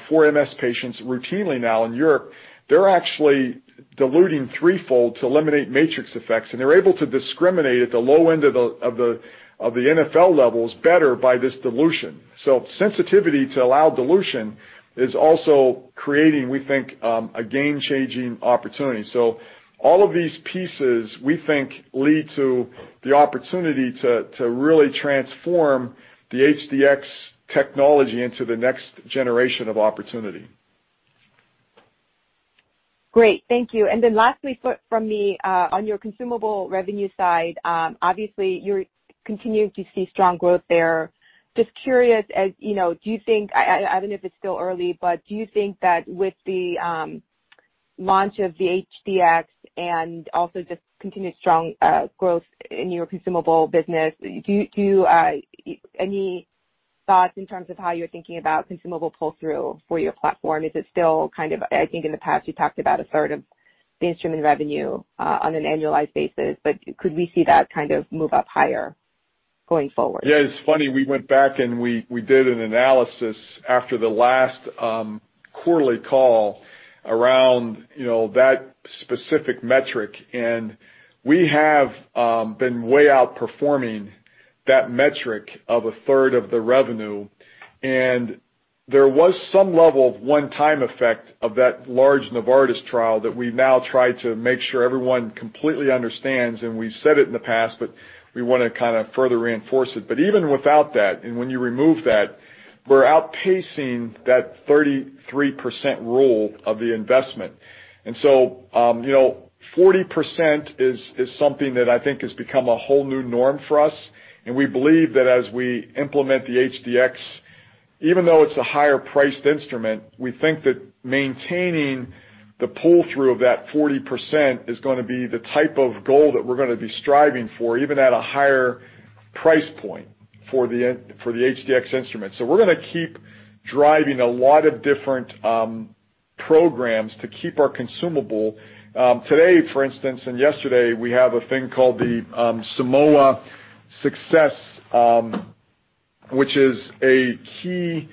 for MS patients routinely now in Europe, they're actually diluting threefold to eliminate matrix effects, and they're able to discriminate at the low end of the NfL levels better by this dilution. Sensitivity to allow dilution is also creating, we think, a game-changing opportunity. All of these pieces, we think, lead to the opportunity to really transform the HD-X technology into the next generation of opportunity. Great. Thank you. Lastly from me, on your consumable revenue side, obviously you're continuing to see strong growth there. Just curious, do you think, I don't know if it's still early, but do you think that with the launch of the HD-X and also just continued strong growth in your consumable business, do you any thoughts in terms of how you're thinking about consumable pull-through for your platform? Is it still kind of, I think in the past you talked about a third of the instrument revenue on an annualized basis, could we see that kind of move up higher going forward? Yeah, it's funny. We went back and we did an analysis after the last quarterly call around that specific metric, and we have been way outperforming that metric of a third of the revenue. There was some level of one-time effect of that large Novartis trial that we've now tried to make sure everyone completely understands, and we've said it in the past, but we want to kind of further reinforce it. Even without that, and when you remove that, we're outpacing that 33% rule of the investment. 40% is something that I think has become a whole new norm for us, and we believe that as we implement the HD-X, even though it's a higher priced instrument, we think that maintaining the pull-through of that 40% is going to be the type of goal that we're going to be striving for, even at a higher price point for the HD-X instrument. We're going to keep driving a lot of different programs to keep our consumable. Today, for instance, and yesterday, we have a thing called the Simoa Success, which is a key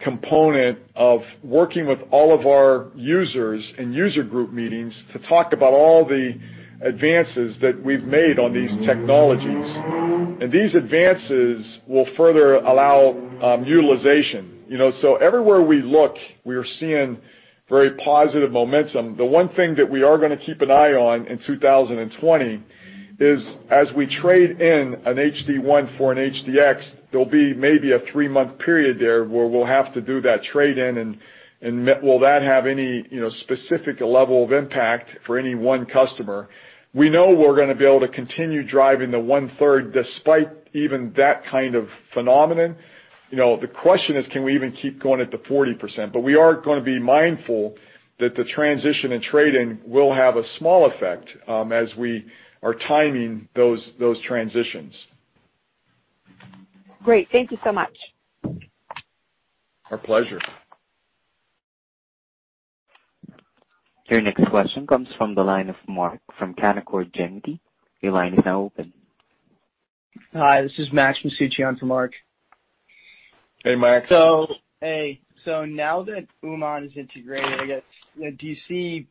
component of working with all of our users and user group meetings to talk about all the advances that we've made on these technologies. These advances will further allow utilization. Everywhere we look, we are seeing very positive momentum. The one thing that we are going to keep an eye on in 2020 is as we trade in an HD-1 for an HD-X, there'll be maybe a three-month period there where we'll have to do that trade-in, and will that have any specific level of impact for any one customer? We know we're going to be able to continue driving the one-third despite even that kind of phenomenon. The question is, can we even keep going at the 40%? We are going to be mindful that the transition in trading will have a small effect as we are timing those transitions. Great. Thank you so much. Our pleasure. Your next question comes from the line of Mark from Canaccord Genuity. Your line is now open. Hi, this is Max Masucci for Mark. Hey, Max. Hey. Now that Uman is integrated, I guess, do you see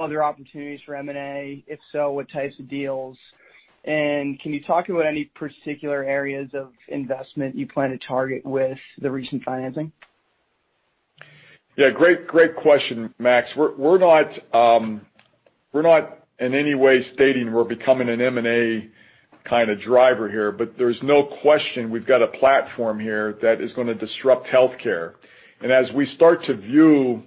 other opportunities for M&A? If so, what types of deals? Can you talk about any particular areas of investment you plan to target with the recent financing? Yeah, great question, Max. We're not in any way stating we're becoming an M&A kind of driver here. There's no question we've got a platform here that is going to disrupt healthcare. As we start to view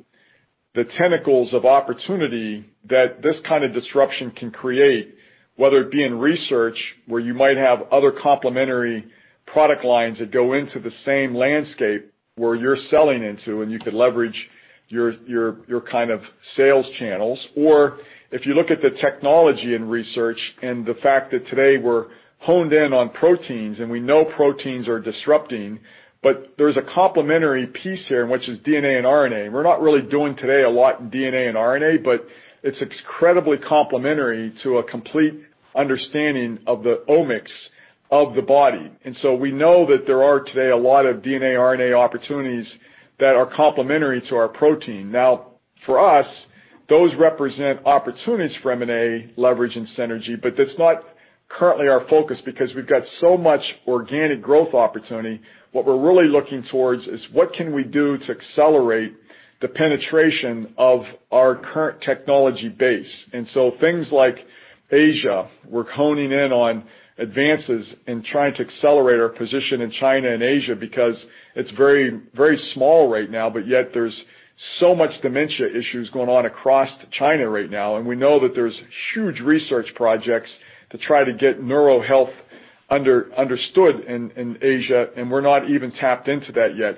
the tentacles of opportunity that this kind of disruption can create, whether it be in research, where you might have other complementary product lines that go into the same landscape where you're selling into, and you could leverage your kind of sales channels. If you look at the technology in research and the fact that today we're honed in on proteins, and we know proteins are disrupting, but there's a complementary piece here, which is DNA and RNA. We're not really doing today a lot in DNA and RNA, but it's incredibly complementary to a complete understanding of the omics of the body. We know that there are today a lot of DNA, RNA opportunities that are complementary to our protein. Now, for us, those represent opportunities for M&A leverage and synergy, but that's not currently our focus because we've got so much organic growth opportunity. What we're really looking towards is what can we do to accelerate the penetration of our current technology base. Things like Asia, we're honing in on advances and trying to accelerate our position in China and Asia because it's very small right now, but yet there's so much dementia issues going on across China right now, and we know that there's huge research projects to try to get neuro health understood in Asia, and we're not even tapped into that yet.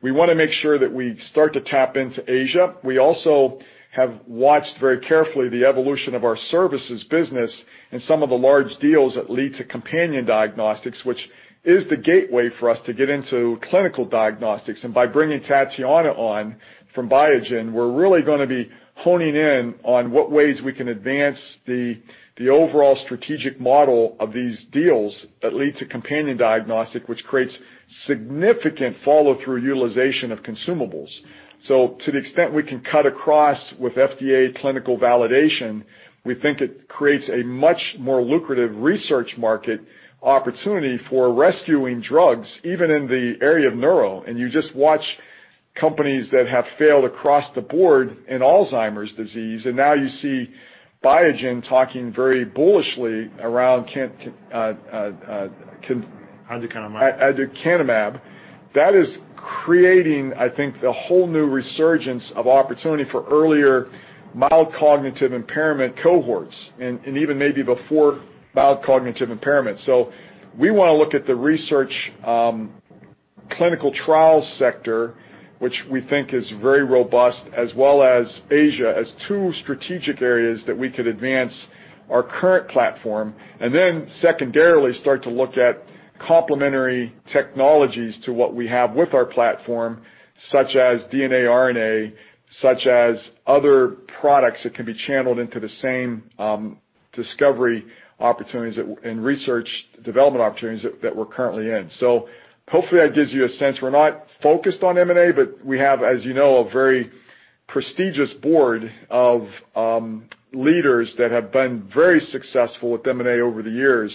We want to make sure that we start to tap into Asia. We also have watched very carefully the evolution of our services business and some of the large deals that lead to companion diagnostics, which is the gateway for us to get into clinical diagnostics. By bringing Tatiana on from Biogen, we're really going to be honing in on what ways we can advance the overall strategic model of these deals that lead to companion diagnostic, which creates significant follow-through utilization of consumables. So to the extent we can cut across with FDA clinical validation, we think it creates a much more lucrative research market opportunity for rescuing drugs, even in the area of neuro. You just watch companies that have failed across the board in Alzheimer's disease, and now you see Biogen talking very bullishly around- Aducanumab aducanumab. That is creating, I think, the whole new resurgence of opportunity for earlier mild cognitive impairment cohorts, and even maybe before mild cognitive impairment. We want to look at the research, clinical trial sector, which we think is very robust, as well as Asia, as two strategic areas that we could advance our current platform. Secondarily, start to look at complementary technologies to what we have with our platform, such as DNA, RNA, such as other products that can be channeled into the same discovery opportunities and research development opportunities that we're currently in. Hopefully, that gives you a sense. We're not focused on M&A, but we have, as you know, a very prestigious board of leaders that have been very successful with M&A over the years,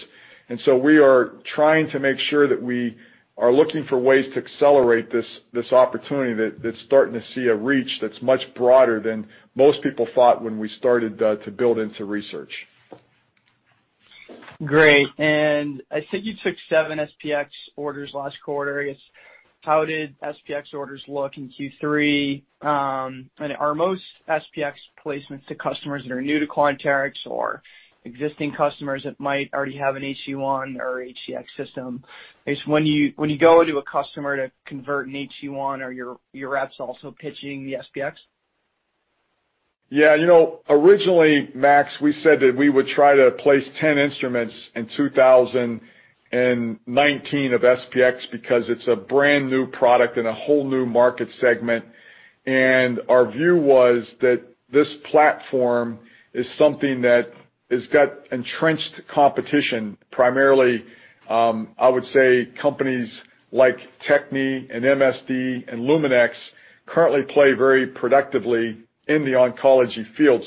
and so we are trying to make sure that we are looking for ways to accelerate this opportunity that's starting to see a reach that's much broader than most people thought when we started to build into research. Great. I think you took seven SP-X orders last quarter. I guess, how did SP-X orders look in Q3? Are most SP-X placements to customers that are new to Quanterix or existing customers that might already have an HD-1 or HD-X system? I guess, when you go into a customer to convert an HD-1, are your reps also pitching the SP-X? Yeah. Originally, Max, we said that we would try to place 10 instruments in 2019 of SP-X because it's a brand-new product and a whole new market segment. Our view was that this platform is something that has got entrenched competition, primarily, I would say companies like Techne and MSD and Luminex currently play very productively in the oncology field.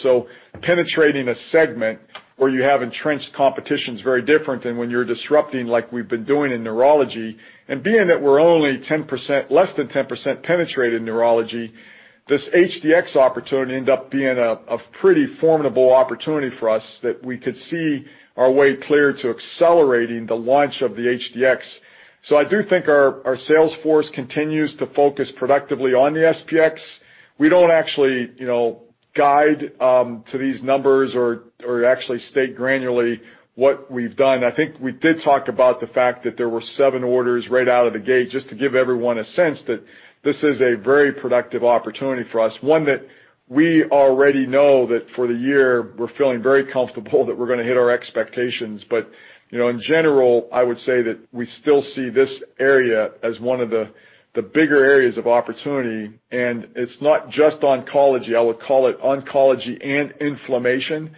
Penetrating a segment where you have entrenched competition is very different than when you're disrupting like we've been doing in neurology. Being that we're only less than 10% penetrate in neurology, this HD-X opportunity ended up being a pretty formidable opportunity for us that we could see our way clear to accelerating the launch of the HD-X. I do think our sales force continues to focus productively on the SP-X. We don't actually guide to these numbers or actually state granularly what we've done. I think we did talk about the fact that there were seven orders right out of the gate, just to give everyone a sense that this is a very productive opportunity for us, one that we already know that for the year, we're feeling very comfortable that we're going to hit our expectations. In general, I would say that we still see this area as one of the bigger areas of opportunity. It's not just oncology, I would call it oncology and inflammation.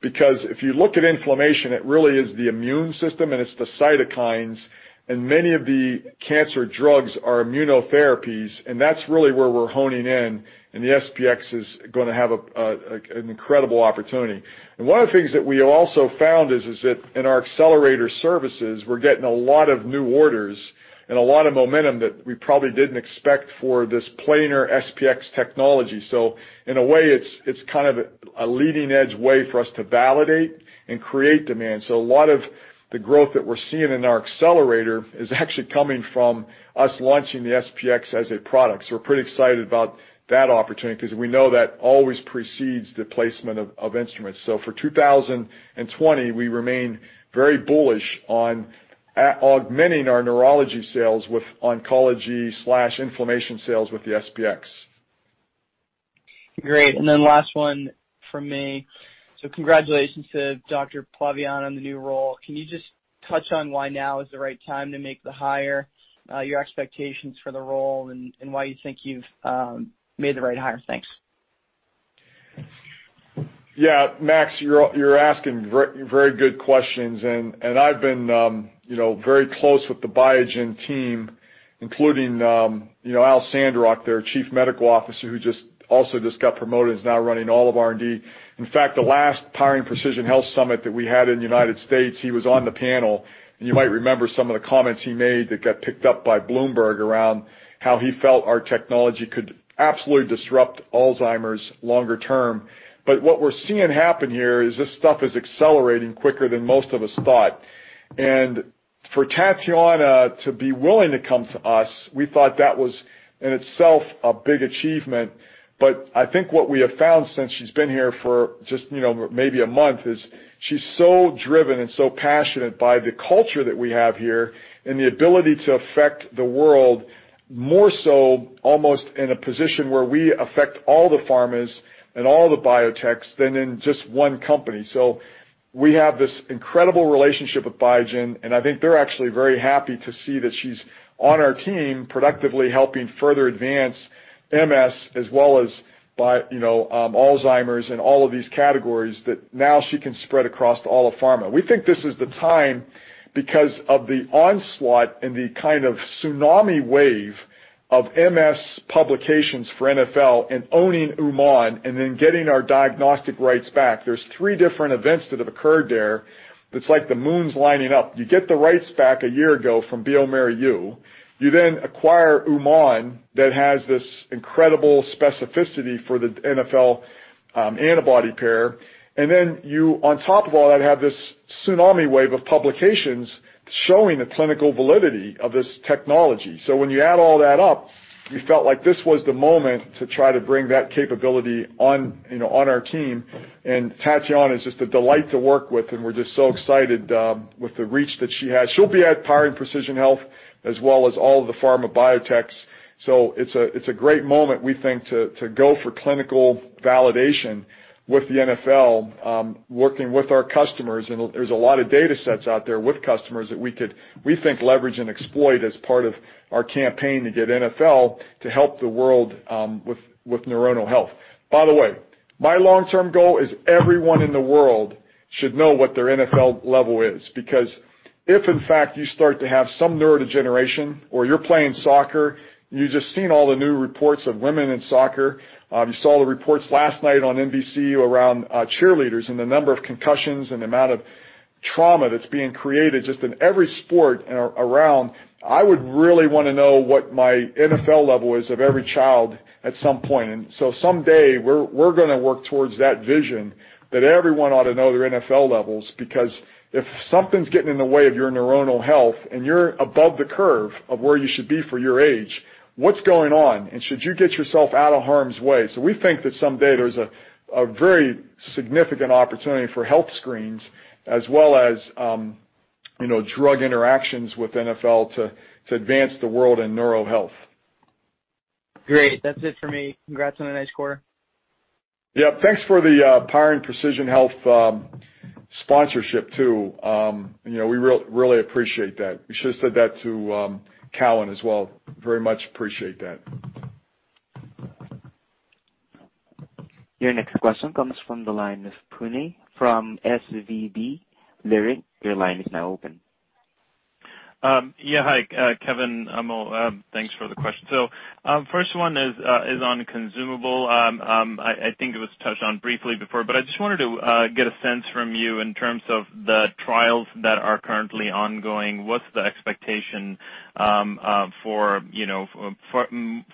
Because if you look at inflammation, it really is the immune system and it's the cytokines, and many of the cancer drugs are immunotherapies, and that's really where we're honing in, and the SP-X is going to have an incredible opportunity. One of the things that we also found is that in our accelerator services, we're getting a lot of new orders and a lot of momentum that we probably didn't expect for this planar SP-X technology. In a way, it's kind of a leading-edge way for us to validate and create demand. A lot of the growth that we're seeing in our accelerator is actually coming from us launching the SP-X as a product. We're pretty excited about that opportunity because we know that always precedes the placement of instruments. For 2020, we remain very bullish on augmenting our neurology sales with oncology/inflammation sales with the SP-X. Great. Last one from me. Congratulations to Dr. Plavina on the new role. Can you just touch on why now is the right time to make the hire, your expectations for the role, and why you think you've made the right hire? Thanks. Yeah. Max, you're asking very good questions. I've been very close with the Biogen team, including Al Sandrock, their Chief Medical Officer, who also just got promoted, is now running all of R&D. In fact, the last Powering Precision Health Summit that we had in the United States, he was on the panel. You might remember some of the comments he made that got picked up by Bloomberg around how he felt our technology could absolutely disrupt Alzheimer's longer-term. What we're seeing happen here is this stuff is accelerating quicker than most of us thought. For Tatiana to be willing to come to us, we thought that was, in itself, a big achievement. I think what we have found since she's been here for just maybe a month, is she's so driven and so passionate by the culture that we have here and the ability to affect the world more so almost in a position where we affect all the pharmas and all the biotechs than in just one company. We have this incredible relationship with Biogen, and I think they're actually very happy to see that she's on our team productively helping further advance MS as well as Alzheimer's and all of these categories that now she can spread across to all of pharma. We think this is the time because of the onslaught and the kind of tsunami wave of MS publications for NfL and owning Uman and then getting our diagnostic rights back. There's three different events that have occurred there that's like the moon's lining up. You get the rights back a year ago from bioMérieux. You then acquire Uman, that has this incredible specificity for the NfL antibody pair. Then you, on top of all that, have this tsunami wave of publications showing the clinical validity of this technology. When you add all that up, we felt like this was the moment to try to bring that capability on our team. Tatiana is just a delight to work with, and we're just so excited with the reach that she has. She'll be at Powering Precision Health as well as all of the pharma biotechs. It's a great moment, we think, to go for clinical validation with the NfL, working with our customers, and there's a lot of data sets out there with customers that we could, we think, leverage and exploit as part of our campaign to get NfL to help the world with neuronal health. By the way, my long-term goal is everyone in the world should know what their NfL level is. If, in fact, you start to have some neurodegeneration or you're playing soccer, you've just seen all the new reports of women in soccer. You saw the reports last night on NBC around cheerleaders and the number of concussions and the amount of trauma that's being created just in every sport around. I would really want to know what my NfL level is of every child at some point. Someday, we're going to work towards that vision that everyone ought to know their NfL levels, because if something's getting in the way of your neuronal health and you're above the curve of where you should be for your age, what's going on, and should you get yourself out of harm's way? We think that someday there's a very significant opportunity for health screens as well as drug interactions with NfL to advance the world in neural health. Great. That's it for me. Congrats on a nice quarter. Yeah. Thanks for the Powering Precision Health sponsorship, too. We really appreciate that. We should have said that to Cowen as well. Very much appreciate that. Your next question comes from the line of Puneet from SVB Leerink. Your line is now open. Yeah. Hi, Kevin. Thanks for the question. First one is on consumable. I think it was touched on briefly before, but I just wanted to get a sense from you in terms of the trials that are currently ongoing. What's the expectation for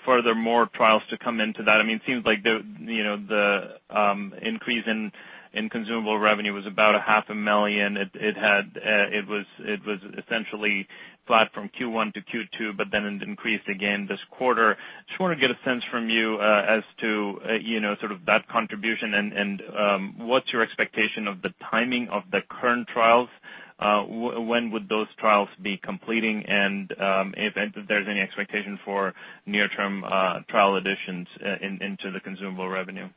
furthermore trials to come into that? It seems like the increase in consumable revenue was about a half a million USD. It was essentially flat from Q1-Q2, but then it increased again this quarter. Just want to get a sense from you as to sort of that contribution and what's your expectation of the timing of the current trials. When would those trials be completing and if there's any expectation for near-term trial additions into the consumable revenue?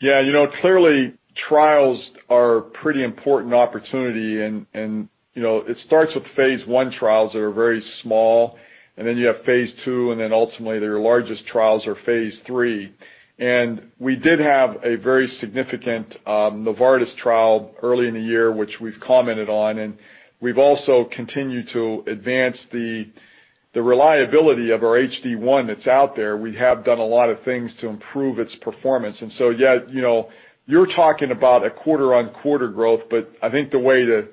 Yeah. Clearly, trials are pretty important opportunity. It starts with phase I trials that are very small. You have phase II, ultimately their largest trials are phase III. We did have a very significant Novartis trial early in the year, which we've commented on. We've also continued to advance the reliability of our HD-1 that's out there. We have done a lot of things to improve its performance. Yeah, you're talking about a quarter-on-quarter growth. I think the way to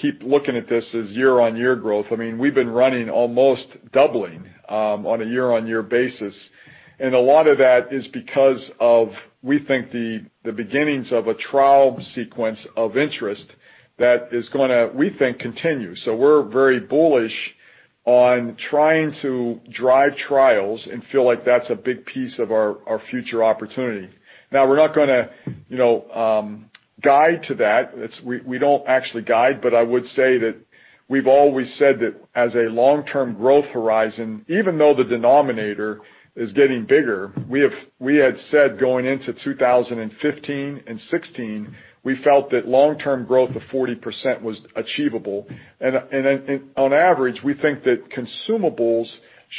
keep looking at this is year-on-year growth. We've been running almost doubling on a year-on-year basis. A lot of that is because of, we think, the beginnings of a trial sequence of interest that is going to, we think, continue. We're very bullish on trying to drive trials and feel like that's a big piece of our future opportunity. Now, we're not going to guide to that. We don't actually guide. I would say that we've always said that as a long-term growth horizon, even though the denominator is getting bigger, we had said going into 2015 and 2016, we felt that long-term growth of 40% was achievable. On average, we think that consumables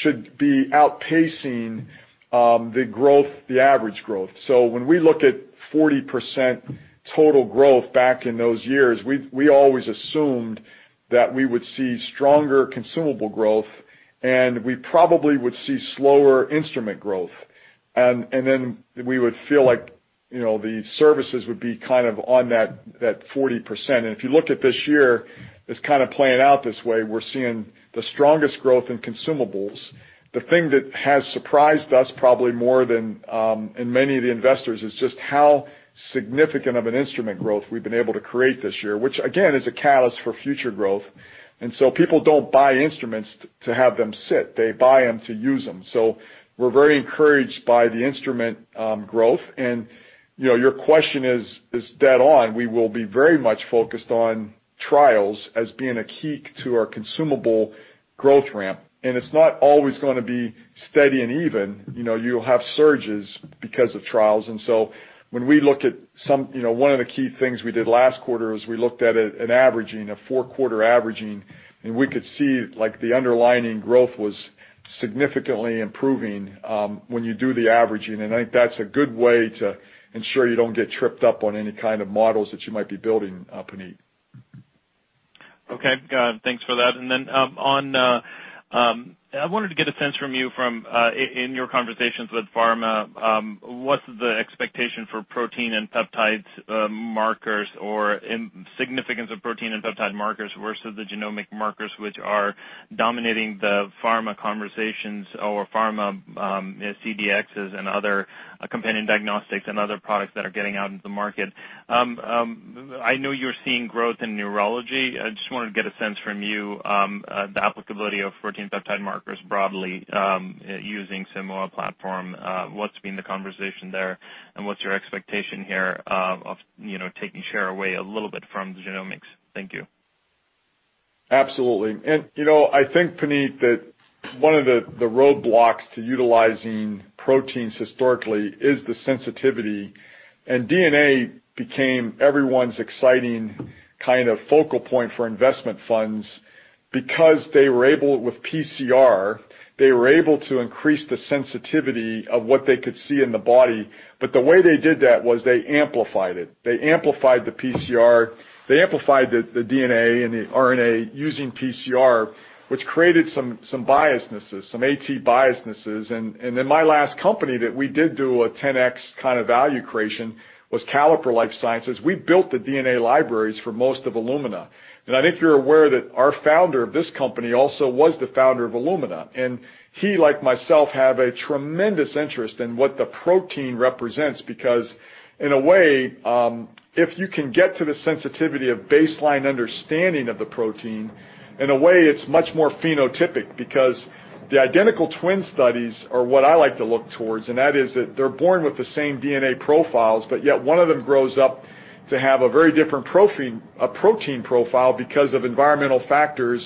should be outpacing the average growth. When we look at 40% total growth back in those years, we always assumed that we would see stronger consumable growth and we probably would see slower instrument growth. We would feel like the services would be on that 40%. If you look at this year, it's playing out this way. We're seeing the strongest growth in consumables. The thing that has surprised us probably more than in many of the investors is just how significant of an instrument growth we've been able to create this year, which again, is a catalyst for future growth. People don't buy instruments to have them sit. They buy them to use them. We're very encouraged by the instrument growth. Your question is dead on. We will be very much focused on trials as being a key to our consumable growth ramp. It's not always going to be steady and even. You'll have surges because of trials. When we look at one of the key things we did last quarter is we looked at an averaging, a four-quarter averaging, and we could see the underlying growth was significantly improving when you do the averaging. I think that's a good way to ensure you don't get tripped up on any kind of models that you might be building, Puneet. Okay. Got it. Thanks for that. I wanted to get a sense from you from, in your conversations with pharma, what's the expectation for protein and peptides markers or significance of protein and peptide markers versus the genomic markers which are dominating the pharma conversations or pharma CDxs and other companion diagnostics and other products that are getting out into the market? I know you're seeing growth in neurology. I just wanted to get a sense from you, the applicability of protein peptide markers broadly, using Simoa platform. What's been the conversation there, and what's your expectation here of taking share away a little bit from genomics? Thank you. Absolutely. I think, Puneet, that one of the roadblocks to utilizing proteins historically is the sensitivity. DNA became everyone's exciting focal point for investment funds because they were able, with PCR, they were able to increase the sensitivity of what they could see in the body. The way they did that was they amplified it. They amplified the PCR, they amplified the DNA and the RNA using PCR, which created some biases, some AT biases. In my last company that we did do a 10x kind of value creation was Caliper Life Sciences. We built the DNA libraries for most of Illumina. I think you're aware that our founder of this company also was the founder of Illumina, and he, like myself, have a tremendous interest in what the protein represents. Because in a way, if you can get to the sensitivity of baseline understanding of the protein, in a way, it's much more phenotypic because the identical twin studies are what I like to look towards, and that is that they're born with the same DNA profiles, but yet one of them grows up to have a very different protein profile because of environmental factors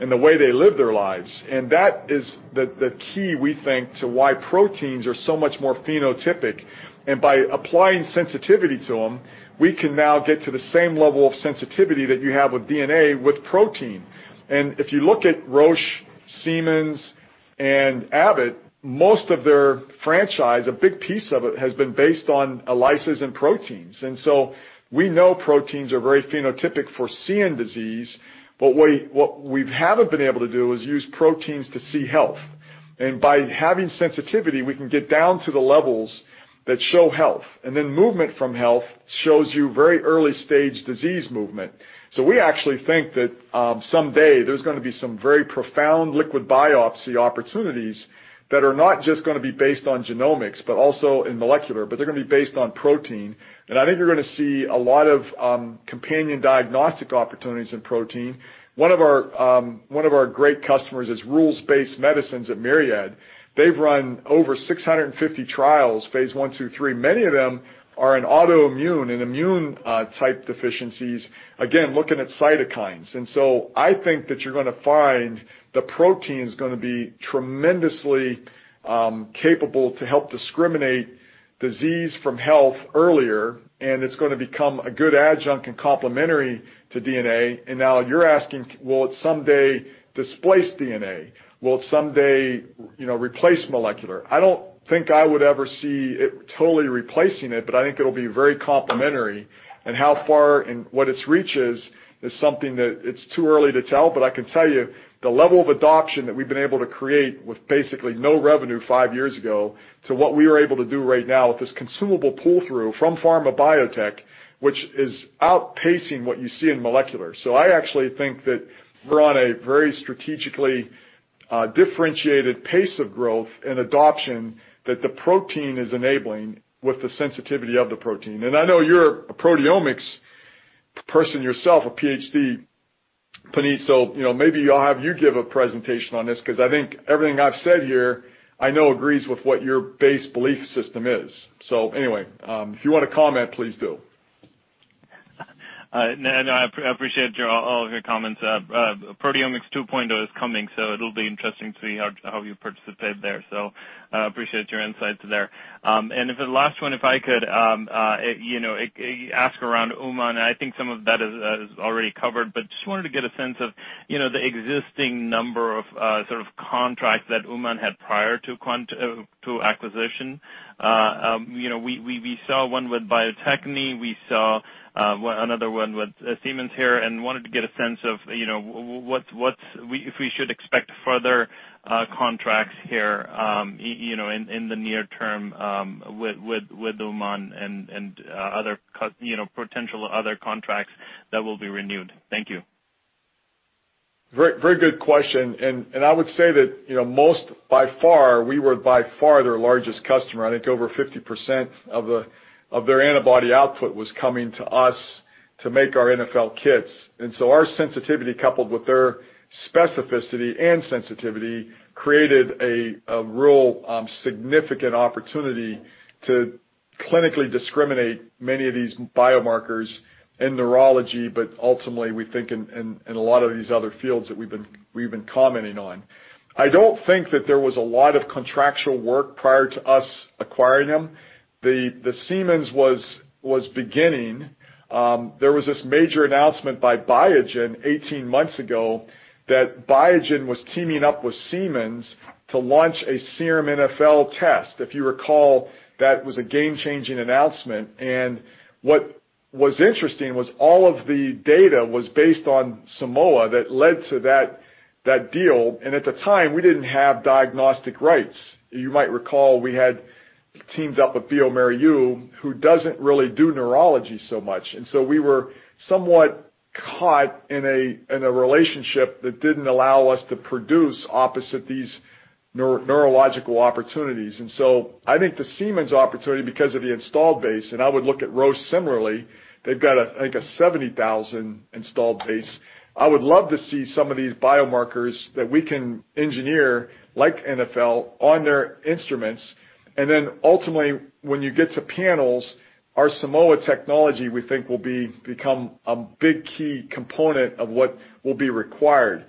and the way they live their lives. That is the key, we think, to why proteins are so much more phenotypic. By applying sensitivity to them, we can now get to the same level of sensitivity that you have with DNA, with protein. If you look at Roche, Siemens, and Abbott, most of their franchise, a big piece of it, has been based on ELISAs and proteins. We know proteins are very phenotypic for seeing disease, but what we haven't been able to do is use proteins to see health. By having sensitivity, we can get down to the levels that show health. Then movement from health shows you very early-stage disease movement. We actually think that someday there's going to be some very profound liquid biopsy opportunities that are not just going to be based on genomics but also in molecular, but they're going to be based on protein. I think you're going to see a lot of companion diagnostic opportunities in protein. One of our great customers is Rules-Based Medicine at Myriad. They've run over 650 trials, phase I, II, III. Many of them are in autoimmune and immune type deficiencies, again, looking at cytokines. I think that you're going to find the protein's going to be tremendously capable to help discriminate disease from health earlier, and it's going to become a good adjunct and complementary to DNA. Now you're asking, will it someday displace DNA? Will it someday replace molecular? I don't think I would ever see it totally replacing it, but I think it'll be very complementary. How far and what its reach is something that it's too early to tell. I can tell you, the level of adoption that we've been able to create with basically no revenue five years ago to what we are able to do right now with this consumable pull-through from pharma biotech, which is outpacing what you see in molecular. I actually think that we're on a very strategically differentiated pace of growth and adoption that the protein is enabling with the sensitivity of the protein. I know you're a proteomics person yourself, a PhD, Puneet, so maybe I'll have you give a presentation on this because I think everything I've said here I know agrees with what your base belief system is. Anyway, if you want to comment, please do. No, I appreciate all of your comments. Proteomics 2.0 is coming, so it'll be interesting to see how you participate there. I appreciate your insights there. The last one, if I could ask around Uman, and I think some of that is already covered, but just wanted to get a sense of the existing number of contracts that Uman had prior to acquisition. We saw one with Bio-Techne. We saw another one with Siemens here, and wanted to get a sense of if we should expect further contracts here in the near-term with Uman and potential other contracts that will be renewed. Thank you. Very good question. I would say that by far, we were by far their largest customer. I think over 50% of their antibody output was coming to us to make our NfL kits. Our sensitivity, coupled with their specificity and sensitivity, created a real significant opportunity to clinically discriminate many of these biomarkers in neurology, but ultimately, we think in a lot of these other fields that we've been commenting on. I don't think that there was a lot of contractual work prior to us acquiring them. The Siemens was beginning. There was this major announcement by Biogen 18 months ago that Biogen was teaming up with Siemens to launch a serum NfL test. If you recall, that was a game-changing announcement, and what was interesting was all of the data was based on Simoa that led to that deal, and at the time, we didn't have diagnostic rights. You might recall we had teamed up with bioMérieux, who doesn't really do neurology so much. We were somewhat caught in a relationship that didn't allow us to produce opposite these neurological opportunities. I think the Siemens opportunity, because of the install base, and I would look at Roche similarly, they've got, I think, a 70,000 install base. I would love to see some of these biomarkers that we can engineer, like NfL, on their instruments. Ultimately, when you get to panels, our Simoa technology, we think will become a big key component of what will be required.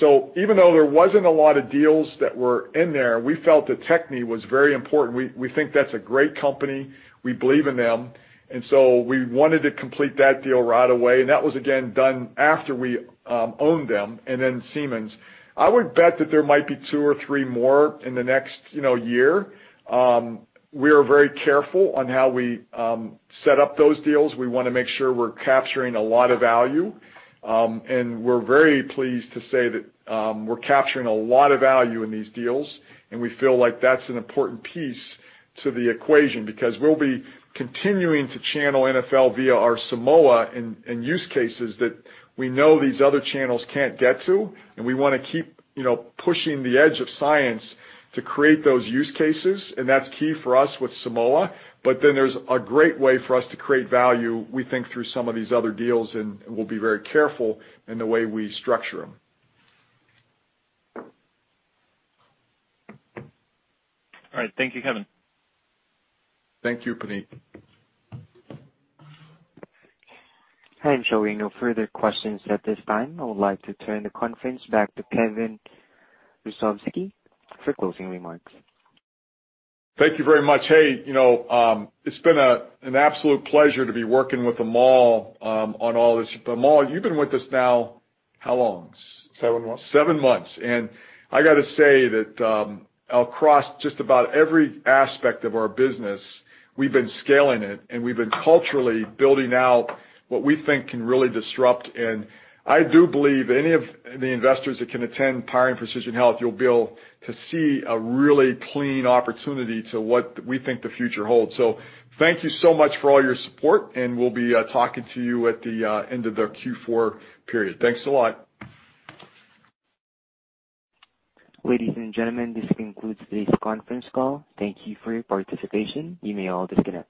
Even though there wasn't a lot of deals that were in there, we felt that Techne was very important. We think that's a great company. We believe in them. We wanted to complete that deal right away, and that was again done after we owned them, and then Siemens. I would bet that there might be two or three more in the next year. We are very careful on how we set up those deals. We want to make sure we're capturing a lot of value. We're very pleased to say that we're capturing a lot of value in these deals, and we feel like that's an important piece to the equation because we'll be continuing to channel NfL via our Simoa in use cases that we know these other channels can't get to. We want to keep pushing the edge of science to create those use cases, and that's key for us with Simoa. There's a great way for us to create value, we think, through some of these other deals, and we'll be very careful in the way we structure them. All right. Thank you, Kevin. Thank you, Puneet. Showing no further questions at this time, I would like to turn the conference back to Kevin Hrusovsky for closing remarks. Thank you very much. Hey, it's been an absolute pleasure to be working with Amol on all this. Amol, you've been with us now, how long? Seven months. Seven months. I got to say that across just about every aspect of our business, we've been scaling it and we've been culturally building out what we think can really disrupt. I do believe any of the investors that can attend Powering Precision Health, you'll be able to see a really clean opportunity to what we think the future holds. Thank you so much for all your support, and we'll be talking to you at the end of the Q4 period. Thanks a lot. Ladies and gentlemen, this concludes this conference call. Thank you for your participation. You may all disconnect.